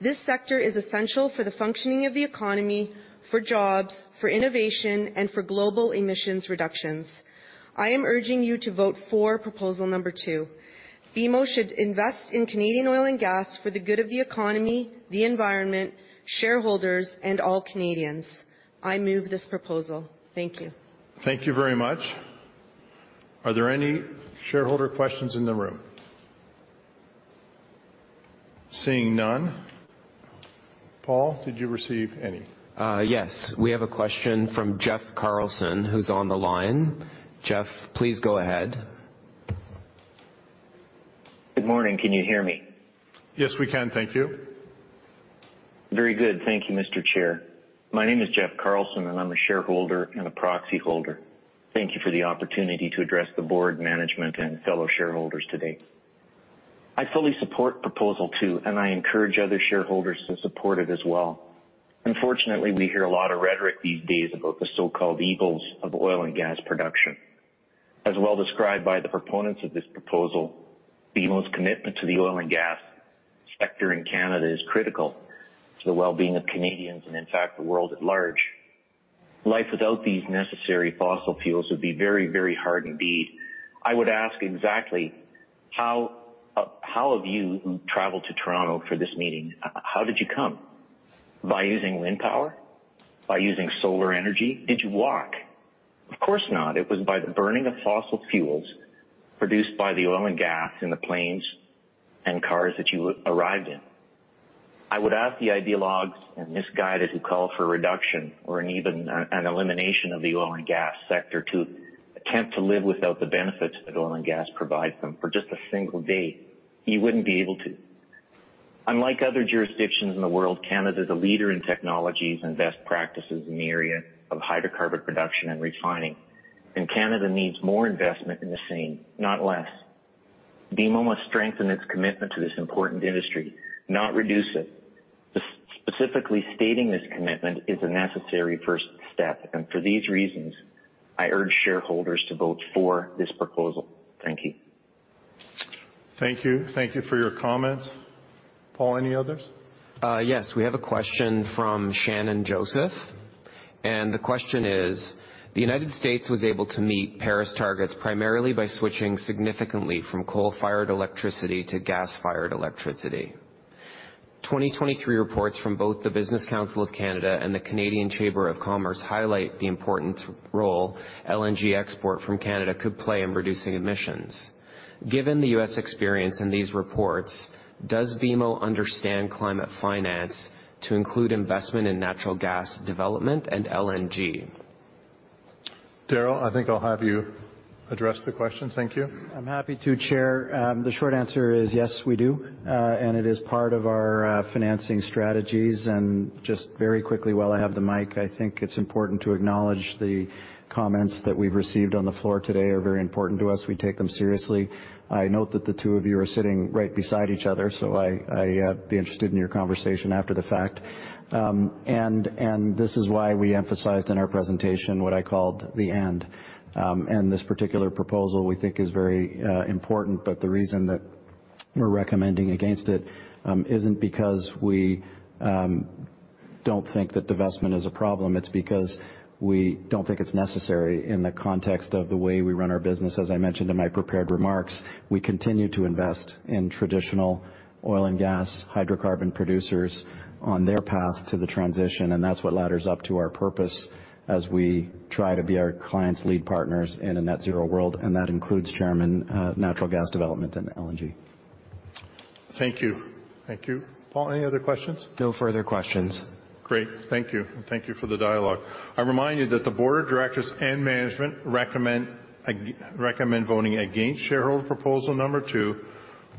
This sector is essential for the functioning of the economy, for jobs, for innovation, and for global emissions reductions. I am urging you to vote for proposal number two. BMO should invest in Canadian oil and gas for the good of the economy, the environment, shareholders, and all Canadians. I move this proposal. Thank you. Thank you very much. Are there any shareholder questions in the room? Seeing none, Paul, did you receive any? Yes. We have a question from Jeff Carlson who's on the line. Jeff, please go ahead. Good morning. Can you hear me? Yes, we can. Thank you. Very good. Thank you, Mr. Chair. My name is Jeff Carlson, and I'm a shareholder and a proxy holder. Thank you for the opportunity to address the board, management, and fellow shareholders today. I fully support proposal two, and I encourage other shareholders to support it as well. Unfortunately, we hear a lot of rhetoric these days about the so-called evils of oil and gas production. As well described by the proponents of this proposal, BMO's commitment to the oil and gas sector in Canada is critical to the well-being of Canadians and in fact, the world at large. Life without these necessary fossil fuels would be very, very hard indeed. I would ask exactly how have you traveled to Toronto for this meeting? How did you come? By using wind power? By using solar energy? Did you walk? Of course not. It was by the burning of fossil fuels produced by the oil and gas in the planes and cars that you arrived in. I would ask the ideologues and misguided who call for a reduction or an even an elimination of the oil and gas sector to attempt to live without the benefits that oil and gas provides them for just a single day. You wouldn't be able to. Unlike other jurisdictions in the world, Canada is a leader in technologies and best practices in the area of hydrocarbon production and refining. Canada needs more investment in the same, not less. BMO must strengthen its commitment to this important industry, not reduce it. Specifically stating this commitment is a necessary first step. For these reasons, I urge shareholders to vote for this proposal. Thank you. Thank you. Thank you for your comments. Paul, any others? Yes. We have a question from Shannon Joseph. The question is: The U.S. was able to meet Paris targets primarily by switching significantly from coal-fired electricity to gas-fired electricity. 2023 reports from both the Business Council of Canada and the Canadian Chamber of Commerce highlight the important role LNG export from Canada could play in reducing emissions. Given the U.S. experience in these reports, does BMO understand climate finance to include investment in natural gas development and LNG? Darryl, I think I'll have you address the question. Thank you. I'm happy to, Chair. The short answer is yes, we do. It is part of our financing strategies. Just very quickly, while I have the mic, I think it's important to acknowledge the comments that we've received on the floor today are very important to us. We take them seriously. I note that the two of you are sitting right beside each other, so I be interested in your conversation after the fact. This is why we emphasized in our presentation what I called the and. This particular proposal, we think is very important, but the reason that we're recommending against it, isn't because we don't think that divestment is a problem. It's because we don't think it's necessary in the context of the way we run our business. As I mentioned in my prepared remarks, we continue to invest in traditional oil and gas hydrocarbon producers on their path to the transition. That's what ladders up to our purpose as we try to be our clients' lead partners in a net-zero world. That includes, Chairman, natural gas development and LNG. Thank you. Thank you. Paul, any other questions? No further questions. Great. Thank you. Thank you for the dialogue. I remind you that the board of directors and management recommend voting against shareholder proposal number two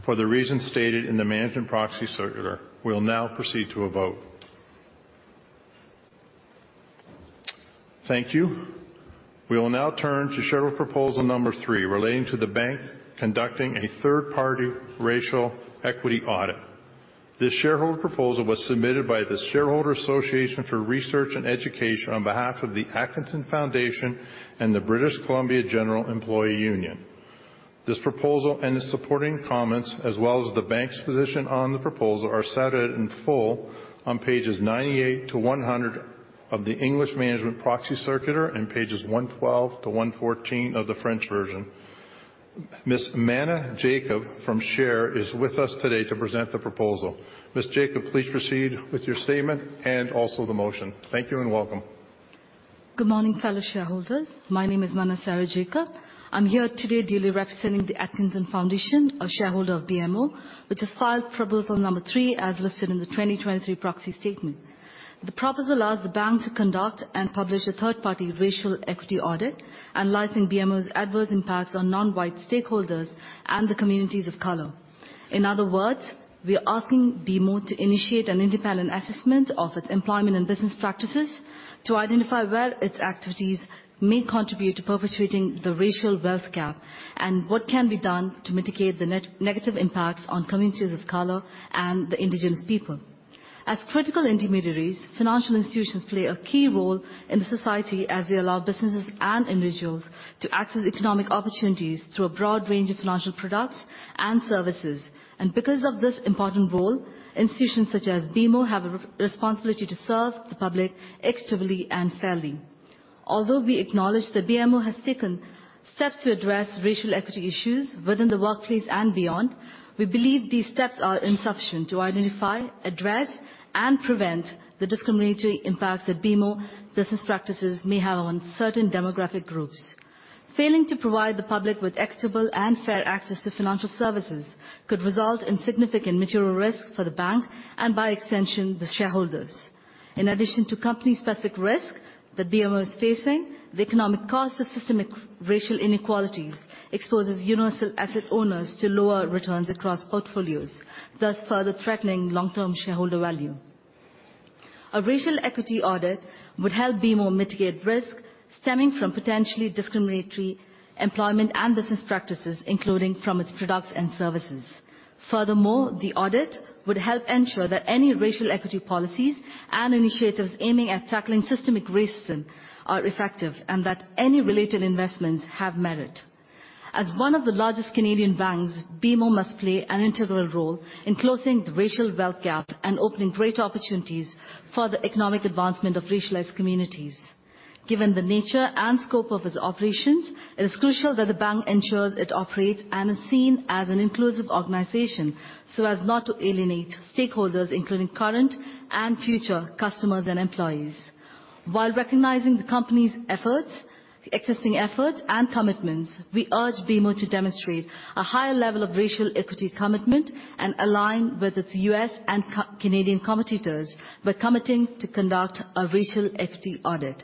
for the reasons stated in the management proxy circular. We'll now proceed to a vote. Thank you. We will now turn to shareholder proposal number three, relating to the bank conducting a third-party racial equity audit. This shareholder proposal was submitted by the Shareholder Association for Research and Education on behalf of the Atkinson Foundation and the British Columbia General Employees' Union. This proposal and the supporting comments, as well as the bank's position on the proposal, are set out in full on pages 98-100 of the English management proxy circular and pages 112- 114 of the French version. Ms. Manna Jacob from SHARE is with us today to present the proposal. Ms. Jacob, please proceed with your statement and also the motion. Thank you and welcome. Good morning, fellow shareholders. My name is Manna Sarah Jacob. I'm here today duly representing the Atkinson Foundation, a shareholder of BMO, which has filed proposal number three as listed in the 2023 proxy statement. The proposal asks the bank to conduct and publish a third-party racial equity audit analyzing BMO's adverse impacts on non-white stakeholders and the communities of color. In other words, we are asking BMO to initiate an independent assessment of its employment and business practices to identify where its activities may contribute to perpetuating the racial wealth gap and what can be done to mitigate the negative impacts on communities of color and the Indigenous people. As critical intermediaries, financial institutions play a key role in the society as they allow businesses and individuals to access economic opportunities through a broad range of financial products and services. Because of this important role, institutions such as BMO have a responsibility to serve the public equitably and fairly. Although we acknowledge that BMO has taken steps to address racial equity issues within the workplace and beyond, we believe these steps are insufficient to identify, address, and prevent the discriminatory impacts that BMO business practices may have on certain demographic groups. Failing to provide the public with equitable and fair access to financial services could result in significant material risk for the bank and by extension, the shareholders. In addition to company-specific risk that BMO is facing, the economic cost of systemic racial inequalities exposes universal asset owners to lower returns across portfolios, thus further threatening long-term shareholder value. A racial equity audit would help BMO mitigate risk stemming from potentially discriminatory employment and business practices, including from its products and services. Furthermore, the audit would help ensure that any racial equity policies and initiatives aiming at tackling systemic racism are effective, and that any related investments have merit. As one of the largest Canadian banks, BMO must play an integral role in closing the racial wealth gap and opening greater opportunities for the economic advancement of racialized communities. Given the nature and scope of its operations, it is crucial that the bank ensures it operates and is seen as an inclusive organization so as not to alienate stakeholders, including current and future customers and employees. While recognizing the company's efforts, existing efforts and commitments, we urge BMO to demonstrate a higher level of racial equity commitment and align with its U.S. and Canadian competitors by committing to conduct a racial equity audit.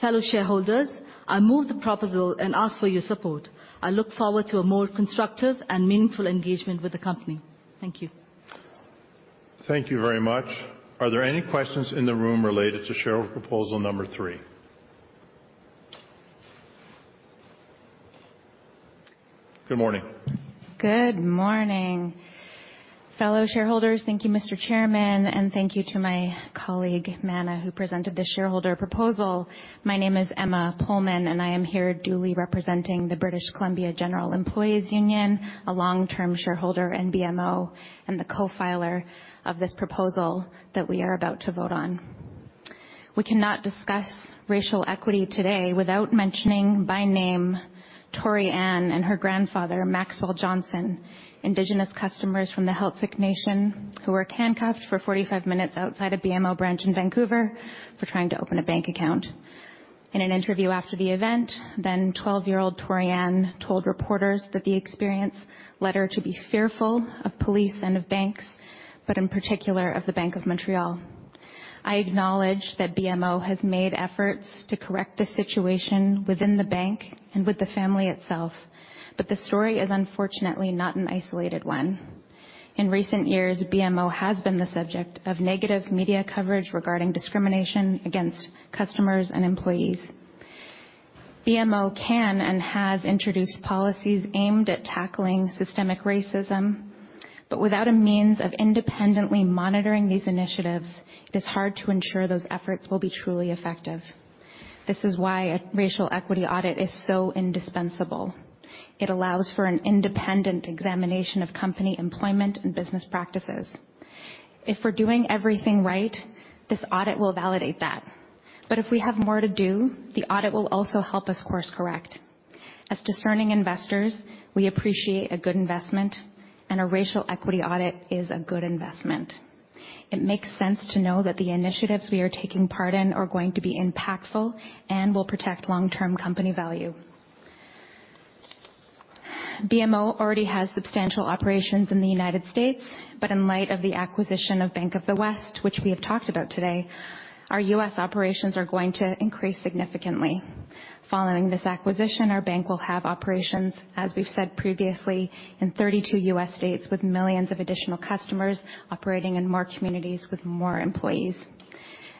Fellow shareholders, I move the proposal and ask for your support. I look forward to a more constructive and meaningful engagement with the company. Thank you. Thank you very much. Are there any questions in the room related to shareholder proposal number three? Good morning. Good morning, fellow shareholders. Thank you, Mr. Chairman, and thank you to my colleague, Manna, who presented this shareholder proposal. My name is Emma Pullman, and I am here duly representing the British Columbia General Employees Union, a long-term shareholder in BMO and the co-filer of this proposal that we are about to vote on. We cannot discuss racial equity today without mentioning by name Torianne and her grandfather, Maxwell Johnson, Indigenous customers from the Heiltsuk Nation who were handcuffed for 45 minutes outside a BMO branch in Vancouver for trying to open a bank account. In an interview after the event, then 12-year-old Torianne told reporters that the experience led her to be fearful of police and of banks, but in particular of the Bank of Montreal. I acknowledge that BMO has made efforts to correct the situation within the bank and with the family itself, the story is unfortunately not an isolated one. In recent years, BMO has been the subject of negative media coverage regarding discrimination against customers and employees. BMO can and has introduced policies aimed at tackling systemic racism, without a means of independently monitoring these initiatives, it is hard to ensure those efforts will be truly effective. This is why a racial equity audit is so indispensable. It allows for an independent examination of company employment and business practices. If we're doing everything right, this audit will validate that. If we have more to do, the audit will also help us course-correct. As discerning investors, we appreciate a good investment and a racial equity audit is a good investment. It makes sense to know that the initiatives we are taking part in are going to be impactful and will protect long-term company value. BMO already has substantial operations in the U.S., but in light of the acquisition of Bank of the West, which we have talked about today, our U.S. operations are going to increase significantly. Following this acquisition, our bank will have operations, as we've said previously, in 32 U.S. states with millions of additional customers operating in more communities with more employees.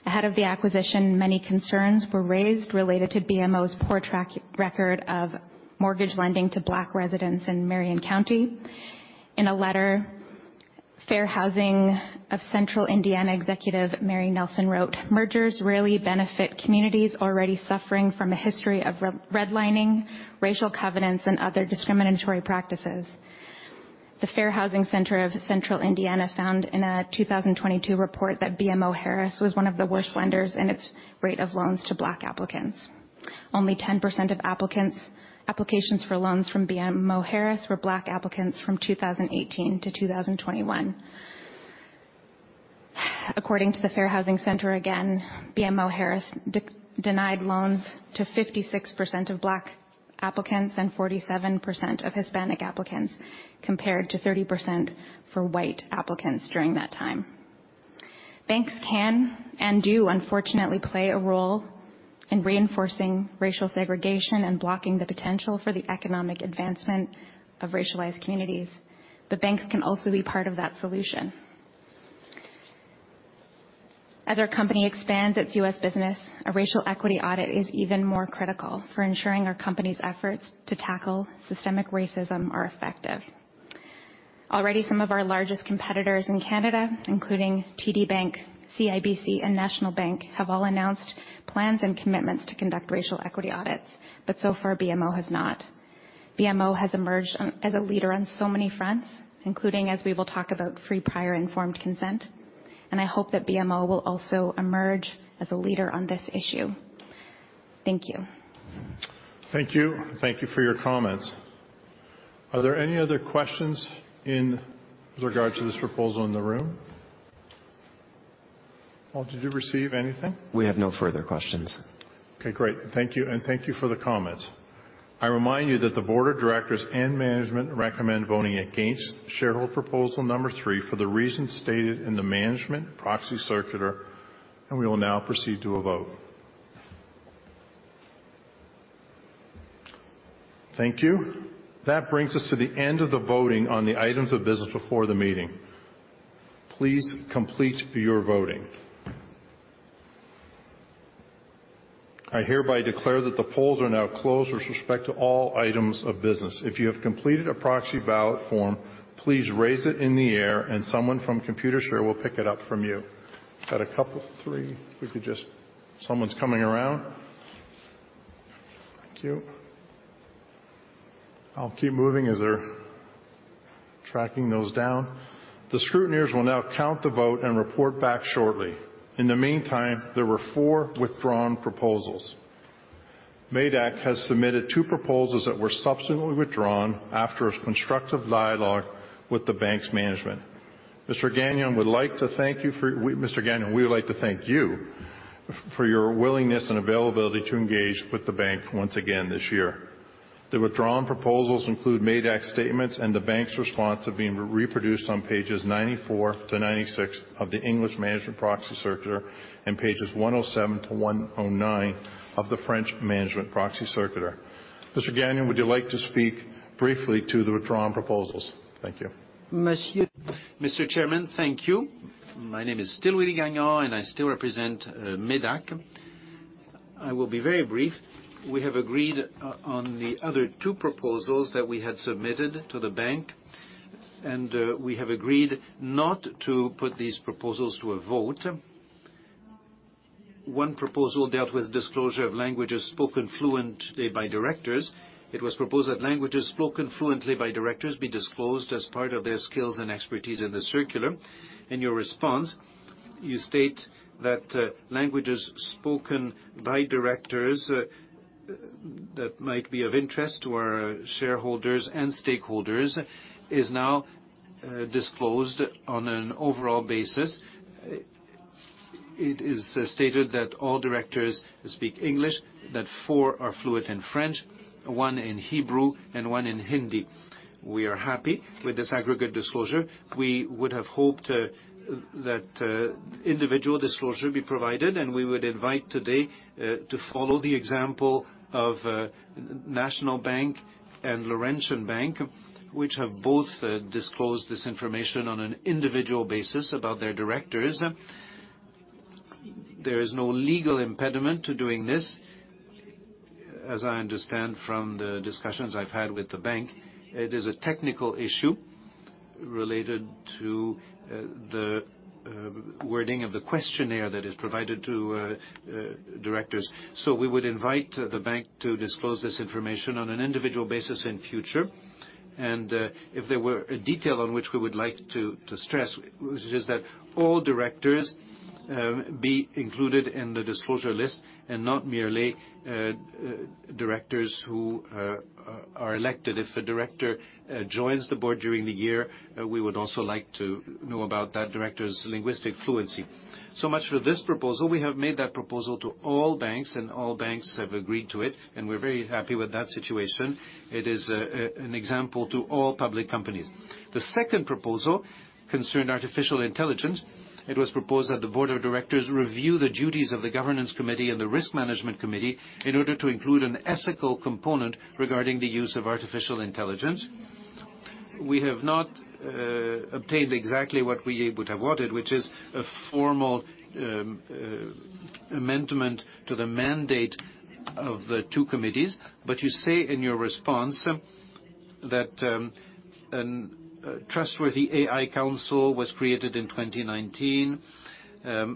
Ahead of the acquisition, many concerns were raised related to BMO's poor track record of mortgage lending to Black residents in Marion County. In a letter, Fair Housing Center of Central Indiana executive Amy Nelson wrote, "Mergers rarely benefit communities already suffering from a history of redlining, racial covenants, and other discriminatory practices." The Fair Housing Center of Central Indiana found in a 2022 report that BMO Harris was one of the worst lenders in its rate of loans to black applicants. Only 10% of applications for loans from BMO Harris were black applicants from 2018-2021. According to the Fair Housing Center, again, BMO Harris denied loans to 56% of black applicants and 47% of Hispanic applicants, compared to 30% for white applicants during that time. Banks can and do, unfortunately, play a role in reinforcing racial segregation and blocking the potential for the economic advancement of racialized communities. The banks can also be part of that solution. As our company expands its U.S. business, a racial equity audit is even more critical for ensuring our company's efforts to tackle systemic racism are effective. Already, some of our largest competitors in Canada, including TD Bank, CIBC, and National Bank, have all announced plans and commitments to conduct racial equity audits. So far, BMO has not. BMO has emerged as a leader on so many fronts, including, as we will talk about, free, prior, informed consent. I hope that BMO will also emerge as a leader on this issue. Thank you. Thank you. Thank you for your comments. Are there any other questions in regards to this proposal in the room? Paul, did you receive anything? We have no further questions. Okay, great. Thank you. Thank you for the comments. I remind you that the board of directors and management recommend voting against shareholder proposal number three for the reasons stated in the management proxy circular. We will now proceed to a vote. Thank you. That brings us to the end of the voting on the items of business before the meeting. Please complete your voting. I hereby declare that the polls are now closed with respect to all items of business. If you have completed a proxy ballot form, please raise it in the air and someone from Computershare will pick it up from you. Got a couple, three. Someone's coming around. Thank you. I'll keep moving as they're tracking those down. The scrutineers will now count the vote and report back shortly. In the meantime, there were four withdrawn proposals. MÉDAC has submitted two proposals that were subsequently withdrawn after a constructive dialogue with the bank's management. Mr. Gagnon, we would like to thank you for your willingness and availability to engage with the bank once again this year. The withdrawn proposals include MÉDAC's statements and the bank's response have been reproduced on pages 94-96 of the English management proxy circular and pages 107-109 of the French management proxy circular. Mr. Gagnon, would you like to speak briefly to the withdrawn proposals? Thank you. Monsieur. Mr. Chairman, thank you. My name is still Willie Gagnon. I still represent MÉDAC. I will be very brief. We have agreed on the other two proposals that we had submitted to the bank. We have agreed not to put these proposals to a vote. One proposal dealt with disclosure of languages spoken fluently by directors. It was proposed that languages spoken fluently by directors be disclosed as part of their skills and expertise in the circular. In your response, you state that languages spoken by directors that might be of interest to our shareholders and stakeholders is now disclosed on an overall basis. It is stated that all directors speak English, that four are fluent in French, one in Hebrew, and one in Hindi. We are happy with this aggregate disclosure. We would have hoped that individual disclosure be provided, and we would invite today to follow the example of National Bank and Laurentian Bank, which have both disclosed this information on an individual basis about their directors. There is no legal impediment to doing this. As I understand from the discussions I've had with the bank, it is a technical issue related to the wording of the questionnaire that is provided to directors. We would invite the bank to disclose this information on an individual basis in future. If there were a detail on which we would like to stress, which is that all directors be included in the disclosure list and not merely directors who are elected. If a director joins the board during the year, we would also like to know about that director's linguistic fluency. Much for this proposal. We have made that proposal to all banks, and all banks have agreed to it, and we're very happy with that situation. It is an example to all public companies. The second proposal concerned artificial intelligence. It was proposed that the board of directors review the duties of the governance committee and the risk management committee in order to include an ethical component regarding the use of artificial intelligence. We have not obtained exactly what we would have wanted, which is a formal amendment to the mandate of the two committees. You say in your response that a trustworthy AI council was created in 2019. A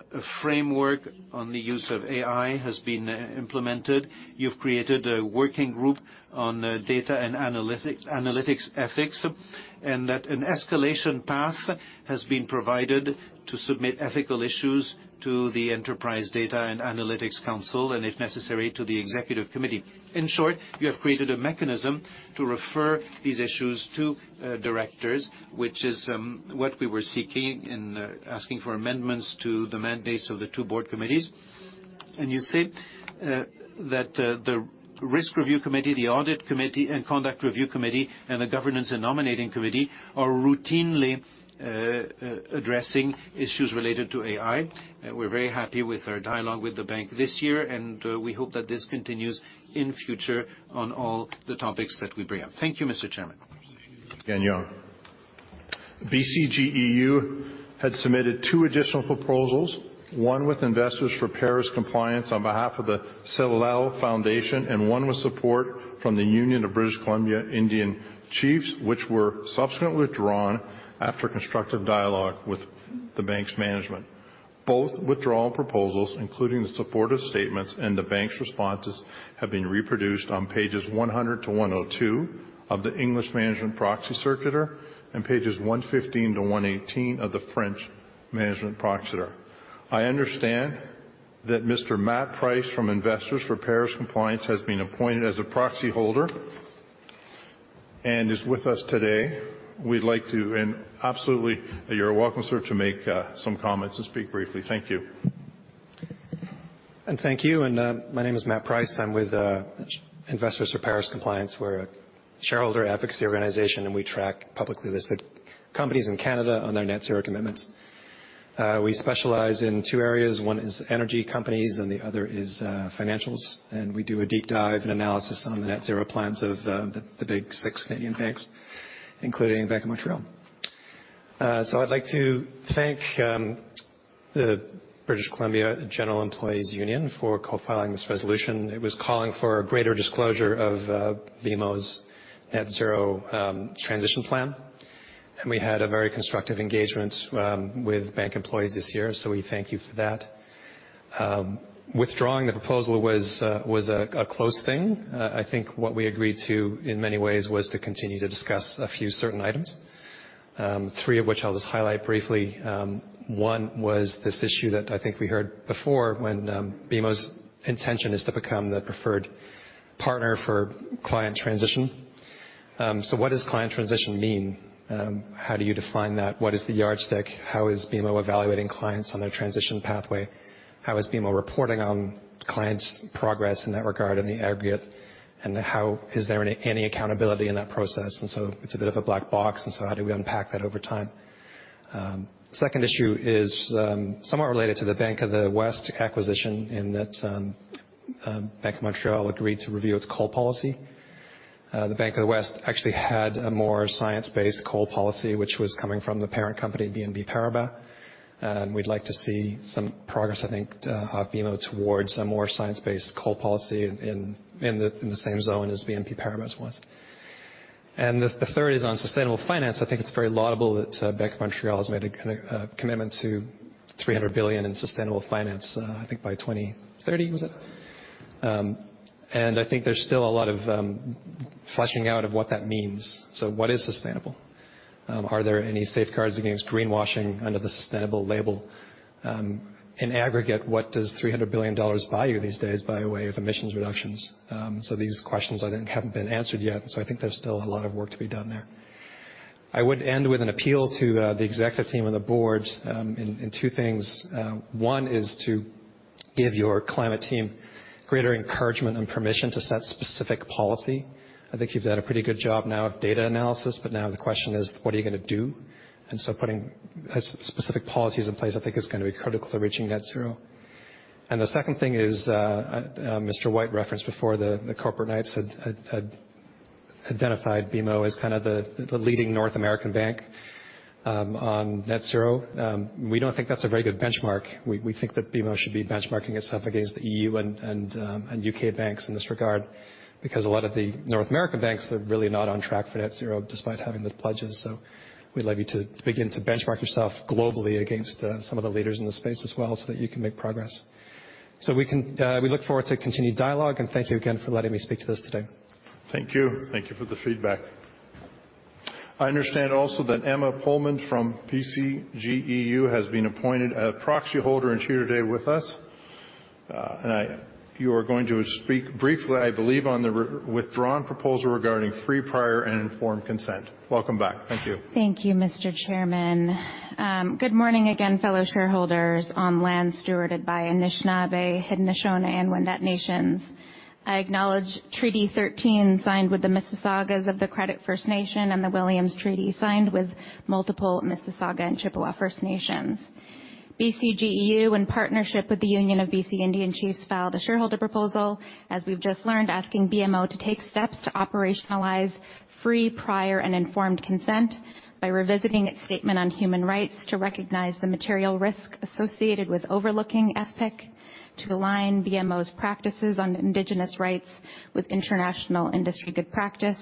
framework on the use of AI has been implemented. You've created a working group on data and analytics ethics, and that an escalation path has been provided to submit ethical issues to the Enterprise Data and Analytics Council and if necessary, to the executive committee. In short, you have created a mechanism to refer these issues to directors, which is what we were seeking in asking for amendments to the mandates of the two board committees. You said that the Risk Review Committee, the Audit Committee and Conduct Review Committee and the Governance and Nominating Committee are routinely addressing issues related to AI. We're very happy with our dialogue with the bank this year, and we hope that this continues in future on all the topics that we bring up. Thank you, Mr. Chairman. BCGEU had submitted two additional proposals, one with Investors for Paris Compliance on behalf of the Salal Foundation, and one with support from the Union of British Columbia Indian Chiefs, which were subsequently withdrawn after constructive dialogue with the Bank's management. Both withdrawal proposals, including the supportive statements and the Bank's responses, have been reproduced on pages 100-102 of the English Management Proxy Circulator and pages 115-118 of the French Management Proxy. I understand that Mr. Matt Price from Investors for Paris Compliance has been appointed as a proxy holder and is with us today. Absolutely, you're welcome, sir, to make some comments and speak briefly. Thank you. Thank you. My name is Matt Price. I'm with Investors for Paris Compliance. We're a shareholder advocacy organization, and we track publicly listed companies in Canada on their net zero commitments. We specialize in two areas. One is energy companies, and the other is financials. We do a deep dive and analysis on the net zero plans of the big six Canadian banks, including Bank of Montreal. I'd like to thank the British Columbia General Employees' Union for co-filing this resolution. It was calling for a greater disclosure of BMO's net zero transition plan. We had a very constructive engagement with bank employees this year, so we thank you for that. Withdrawing the proposal was a close thing. I think what we agreed to in many ways was to continue to discuss a few certain items, three of which I'll just highlight briefly. One was this issue that I think we heard before when BMO's intention is to become the preferred partner for client transition. What does client transition mean? How do you define that? What is the yardstick? How is BMO evaluating clients on their transition pathway? How is BMO reporting on clients' progress in that regard in the aggregate? How is there any accountability in that process? It's a bit of a black box, how do we unpack that over time? Second issue is somewhat related to the Bank of the West acquisition in that Bank of Montreal agreed to review its coal policy. The Bank of the West actually had a more science-based coal policy, which was coming from the parent company, BNP Paribas. We'd like to see some progress, I think, of BMO towards a more science-based coal policy in the same zone as BNP Paribas was. The third is on sustainable finance. I think it's very laudable that Bank of Montreal has made a commitment to 300 billion in sustainable finance, I think by 2030, was it? I think there's still a lot of fleshing out of what that means. What is sustainable? Are there any safeguards against greenwashing under the sustainable label? In aggregate, what does 300 billion dollars buy you these days by way of emissions reductions? These questions I think haven't been answered yet, so I think there's still a lot of work to be done there. I would end with an appeal to the executive team and the board in two things. One is to give your climate team greater encouragement and permission to set specific policy. I think you've done a pretty good job now of data analysis, but now the question is, what are you gonna do? Putting specific policies in place, I think is gonna be critical to reaching net zero. The second thing is Mr. White referenced before the Corporate Knights had identified BMO as kind of the leading North American bank on net zero. We don't think that's a very good benchmark. We think that BMO should be benchmarking itself against the EU and UK banks in this regard, because a lot of the North American banks are really not on track for net zero despite having the pledges. We'd like you to begin to benchmark yourself globally against some of the leaders in the space as well, so that you can make progress. We look forward to continued dialogue, and thank you again for letting me speak to this today. Thank you. Thank you for the feedback. I understand also that Emma Pullman from BCGEU has been appointed a proxy holder and is here today with us. You are going to speak briefly, I believe, on the re-withdrawn proposal regarding free, prior, and informed consent. Welcome back. Thank you. Thank you, Mr. Chairman. Good morning again, fellow shareholders on land stewarded by Anishinaabe, Haudenosaunee, and Wendat nations. I acknowledge Treaty Thirteen, signed with the Mississaugas of the Credit First Nation, and the Williams Treaties signed with multiple Mississauga and Chippewa First Nations. BCGEU, in partnership with the Union of BC Indian Chiefs, filed a shareholder proposal, as we've just learned, asking BMO to take steps to operationalize free, prior, and informed consent by revisiting its statement on human rights to recognize the material risk associated with overlooking FPIC, to align BMO's practices on Indigenous rights with international industry good practice,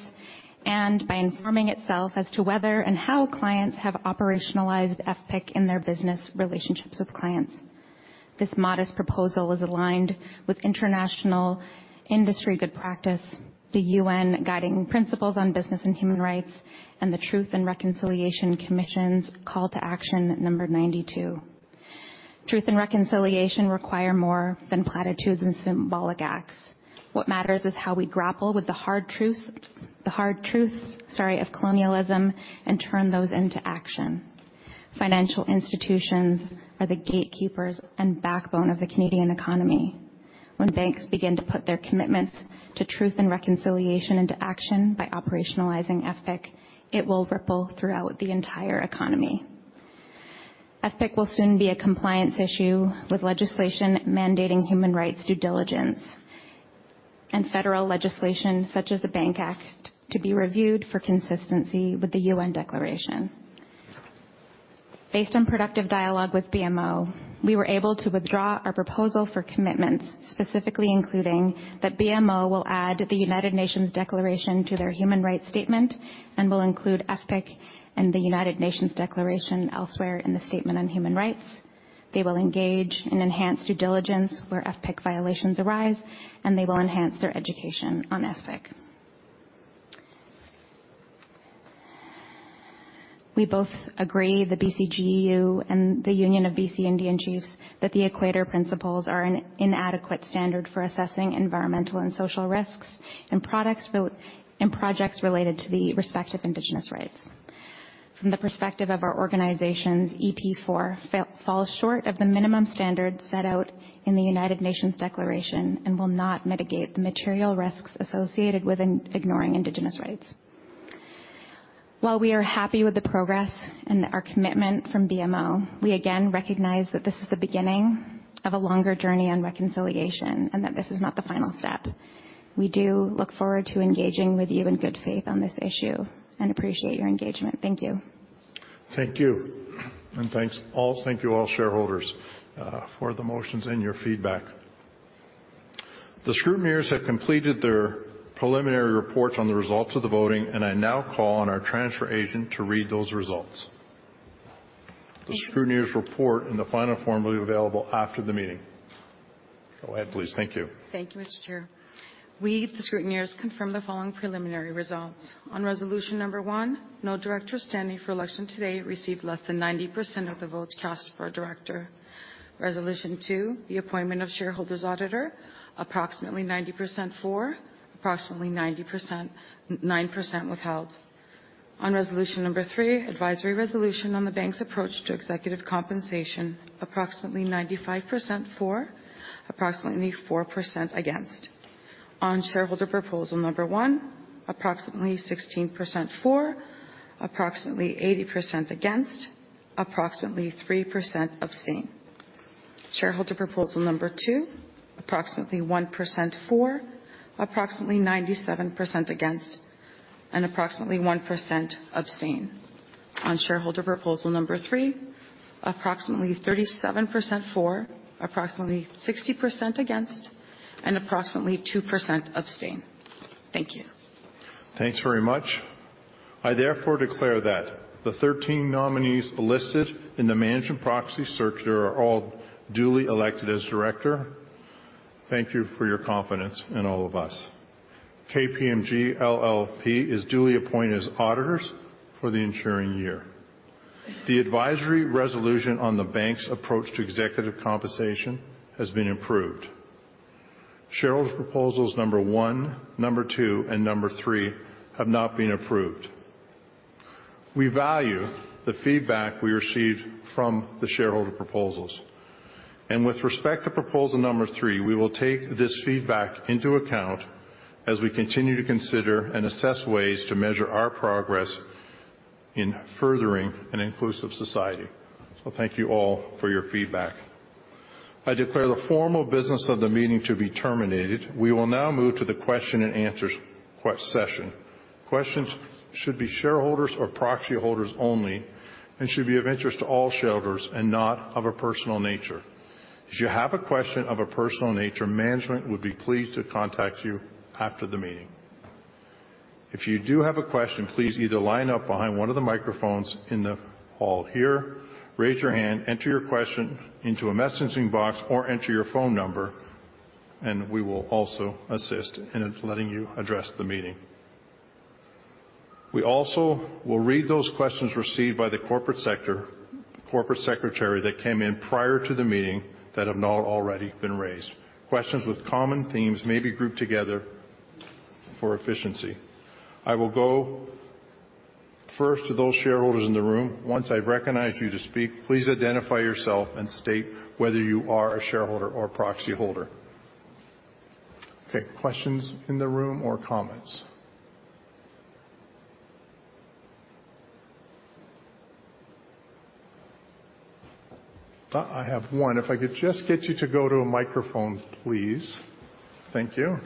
and by informing itself as to whether and how clients have operationalized FPIC in their business relationships with clients. This modest proposal is aligned with international industry good practice, the UN Guiding Principles on Business and Human Rights, and the Truth and Reconciliation Commission's Call to Action number 92. Truth and reconciliation require more than platitudes and symbolic acts. What matters is how we grapple with the hard truths, sorry, of colonialism and turn those into action. Financial institutions are the gatekeepers and backbone of the Canadian economy. When banks begin to put their commitments to truth and reconciliation into action by operationalizing FPIC, it will ripple throughout the entire economy. FPIC will soon be a compliance issue, with legislation mandating human rights due diligence and federal legislation such as the Bank Act to be reviewed for consistency with the UN declaration. Based on productive dialogue with BMO, we were able to withdraw our proposal for commitments, specifically including that BMO will add the United Nations declaration to their human rights statement and will include FPIC and the United Nations declaration elsewhere in the Statement on Human Rights. They will engage in enhanced due diligence where FPIC violations arise, and they will enhance their education on FPIC. We both agree, the BCGEU and the Union of BC Indian Chiefs, that the Equator Principles are an inadequate standard for assessing environmental and social risks in projects related to the respective Indigenous rights. From the perspective of our organizations, EP4 falls short of the minimum standards set out in the United Nations declaration and will not mitigate the material risks associated with ignoring Indigenous rights. While we are happy with the progress and our commitment from BMO, we again recognize that this is the beginning of a longer journey on reconciliation and that this is not the final step. We do look forward to engaging with you in good faith on this issue and appreciate your engagement. Thank you. Thank you. Thank you all shareholders for the motions and your feedback. The scrutineers have completed their preliminary reports on the results of the voting, and I now call on our transfer agent to read those results. The scrutineers report in the final form will be available after the meeting. Go ahead, please. Thank you. Thank you, Mr. Chair. We, the scrutineers, confirm the following preliminary results. On resolution number one, no director standing for election today received less than 90% of the votes cast for a director. Resolution two, the appointment of shareholders auditor, approximately 90% for, approximately 9% withheld. On resolution number three, advisory resolution on the bank's approach to executive compensation, approximately 95% for, approximately 4% against. On shareholder proposal number one, approximately 16% for, approximately 80% against, approximately 3% abstain. Shareholder proposal number two, approximately 1% for, approximately 97% against, and approximately 1% abstain. On shareholder proposal number 3, approximately 37% for, approximately 60% against, and approximately 2% abstain. Thank you. Thanks very much. I therefore declare that the 13 nominees listed in the management proxy circular are all duly elected as director. Thank you for your confidence in all of us. KPMG LLP is duly appointed as auditors for the ensuing year. The advisory resolution on the bank's approach to executive compensation has been approved. Shareholders' proposals one, two, and three have not been approved. We value the feedback we received from the shareholder proposals. With respect to proposal three, we will take this feedback into account as we continue to consider and assess ways to measure our progress in furthering an inclusive society. Thank you all for your feedback. I declare the formal business of the meeting to be terminated. We will now move to the question and answers session. Questions should be shareholders or proxy holders only and should be of interest to all shareholders and not of a personal nature. If you have a question of a personal nature, management would be pleased to contact you after the meeting. If you do have a question, please either line up behind one of the microphones in the hall here, raise your hand, enter your question into a messaging box, or enter your phone number and we will also assist in letting you address the meeting. We also will read those questions received by the corporate secretary that came in prior to the meeting that have not already been raised. Questions with common themes may be grouped together for efficiency. I will go first to those shareholders in the room. Once I recognize you to speak, please identify yourself and state whether you are a shareholder or proxy holder. Okay. Questions in the room or comments? I have one. If I could just get you to go to a microphone, please. Thank you.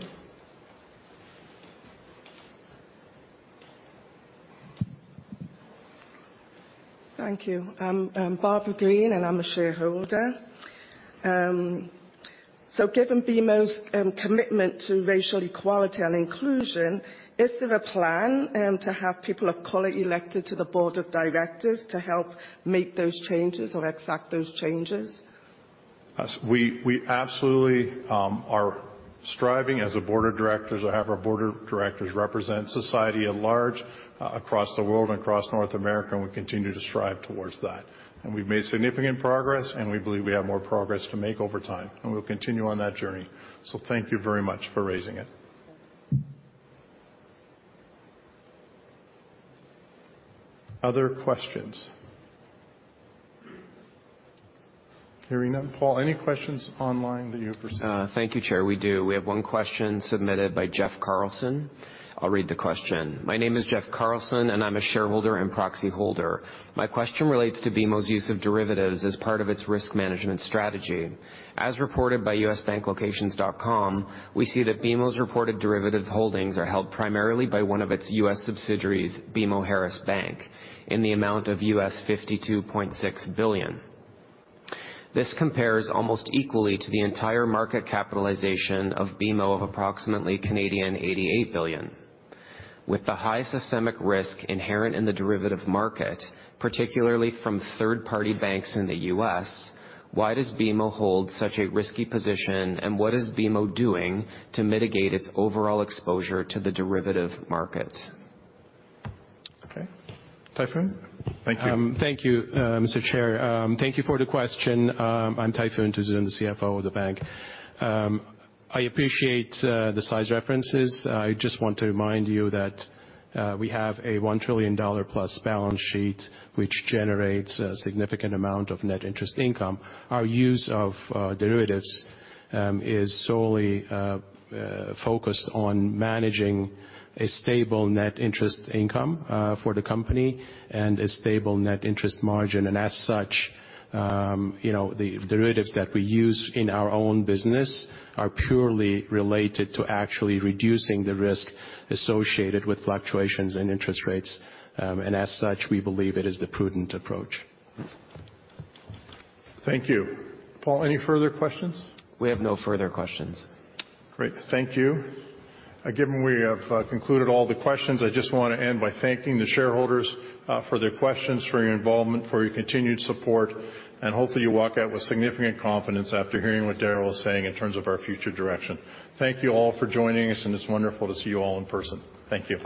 Thank you. I'm Barbara Green, and I'm a shareholder. Given BMO's commitment to racial equality and inclusion, is there a plan to have people of color elected to the board of directors to help make those changes or accept those changes? As we absolutely are striving as a board of directors to have our board of directors represent society at large across the world and across North America, and we continue to strive towards that. We've made significant progress, and we believe we have more progress to make over time, and we'll continue on that journey. Thank you very much for raising it. Other questions? Hearing none. Paul, any questions online that you've received? Thank you, Chair, we do. We have one question submitted by Jeff Carlson. I'll read the question. "My name is Jeff Carlson, and I'm a shareholder and proxy holder. My question relates to BMO's use of derivatives as part of its risk management strategy. As reported by USBankLocations.com, we see that BMO's reported derivative holdings are held primarily by one of its U.S. subsidiaries, BMO Harris Bank, in the amount of U.S. $52.6 billion. This compares almost equally to the entire market capitalization of BMO of approximately 88 billion. With the high systemic risk inherent in the derivative market, particularly from third-party banks in the U.S., why does BMO hold such a risky position, and what is BMO doing to mitigate its overall exposure to the derivative market? Okay. Tayfun? Thank you. Thank you, Mr. Chair. Thank you for the question. I'm Tayfun Tuzun, the CFO of the bank. I appreciate the size references. I just want to remind you that we have a 1 trillion dollar plus balance sheet, which generates a significant amount of net interest income. Our use of derivatives is solely focused on managing a stable net interest income for the company and a stable net interest margin. As such, you know, the derivatives that we use in our own business are purely related to actually reducing the risk associated with fluctuations in interest rates. As such, we believe it is the prudent approach. Thank you. Paul, any further questions? We have no further questions. Great. Thank you. We have concluded all the questions. I just wanna end by thanking the shareholders for their questions, for your involvement, for your continued support, and hopefully you walk out with significant confidence after hearing what Darryl was saying in terms of our future direction. Thank you all for joining us. It's wonderful to see you all in person. Thank you.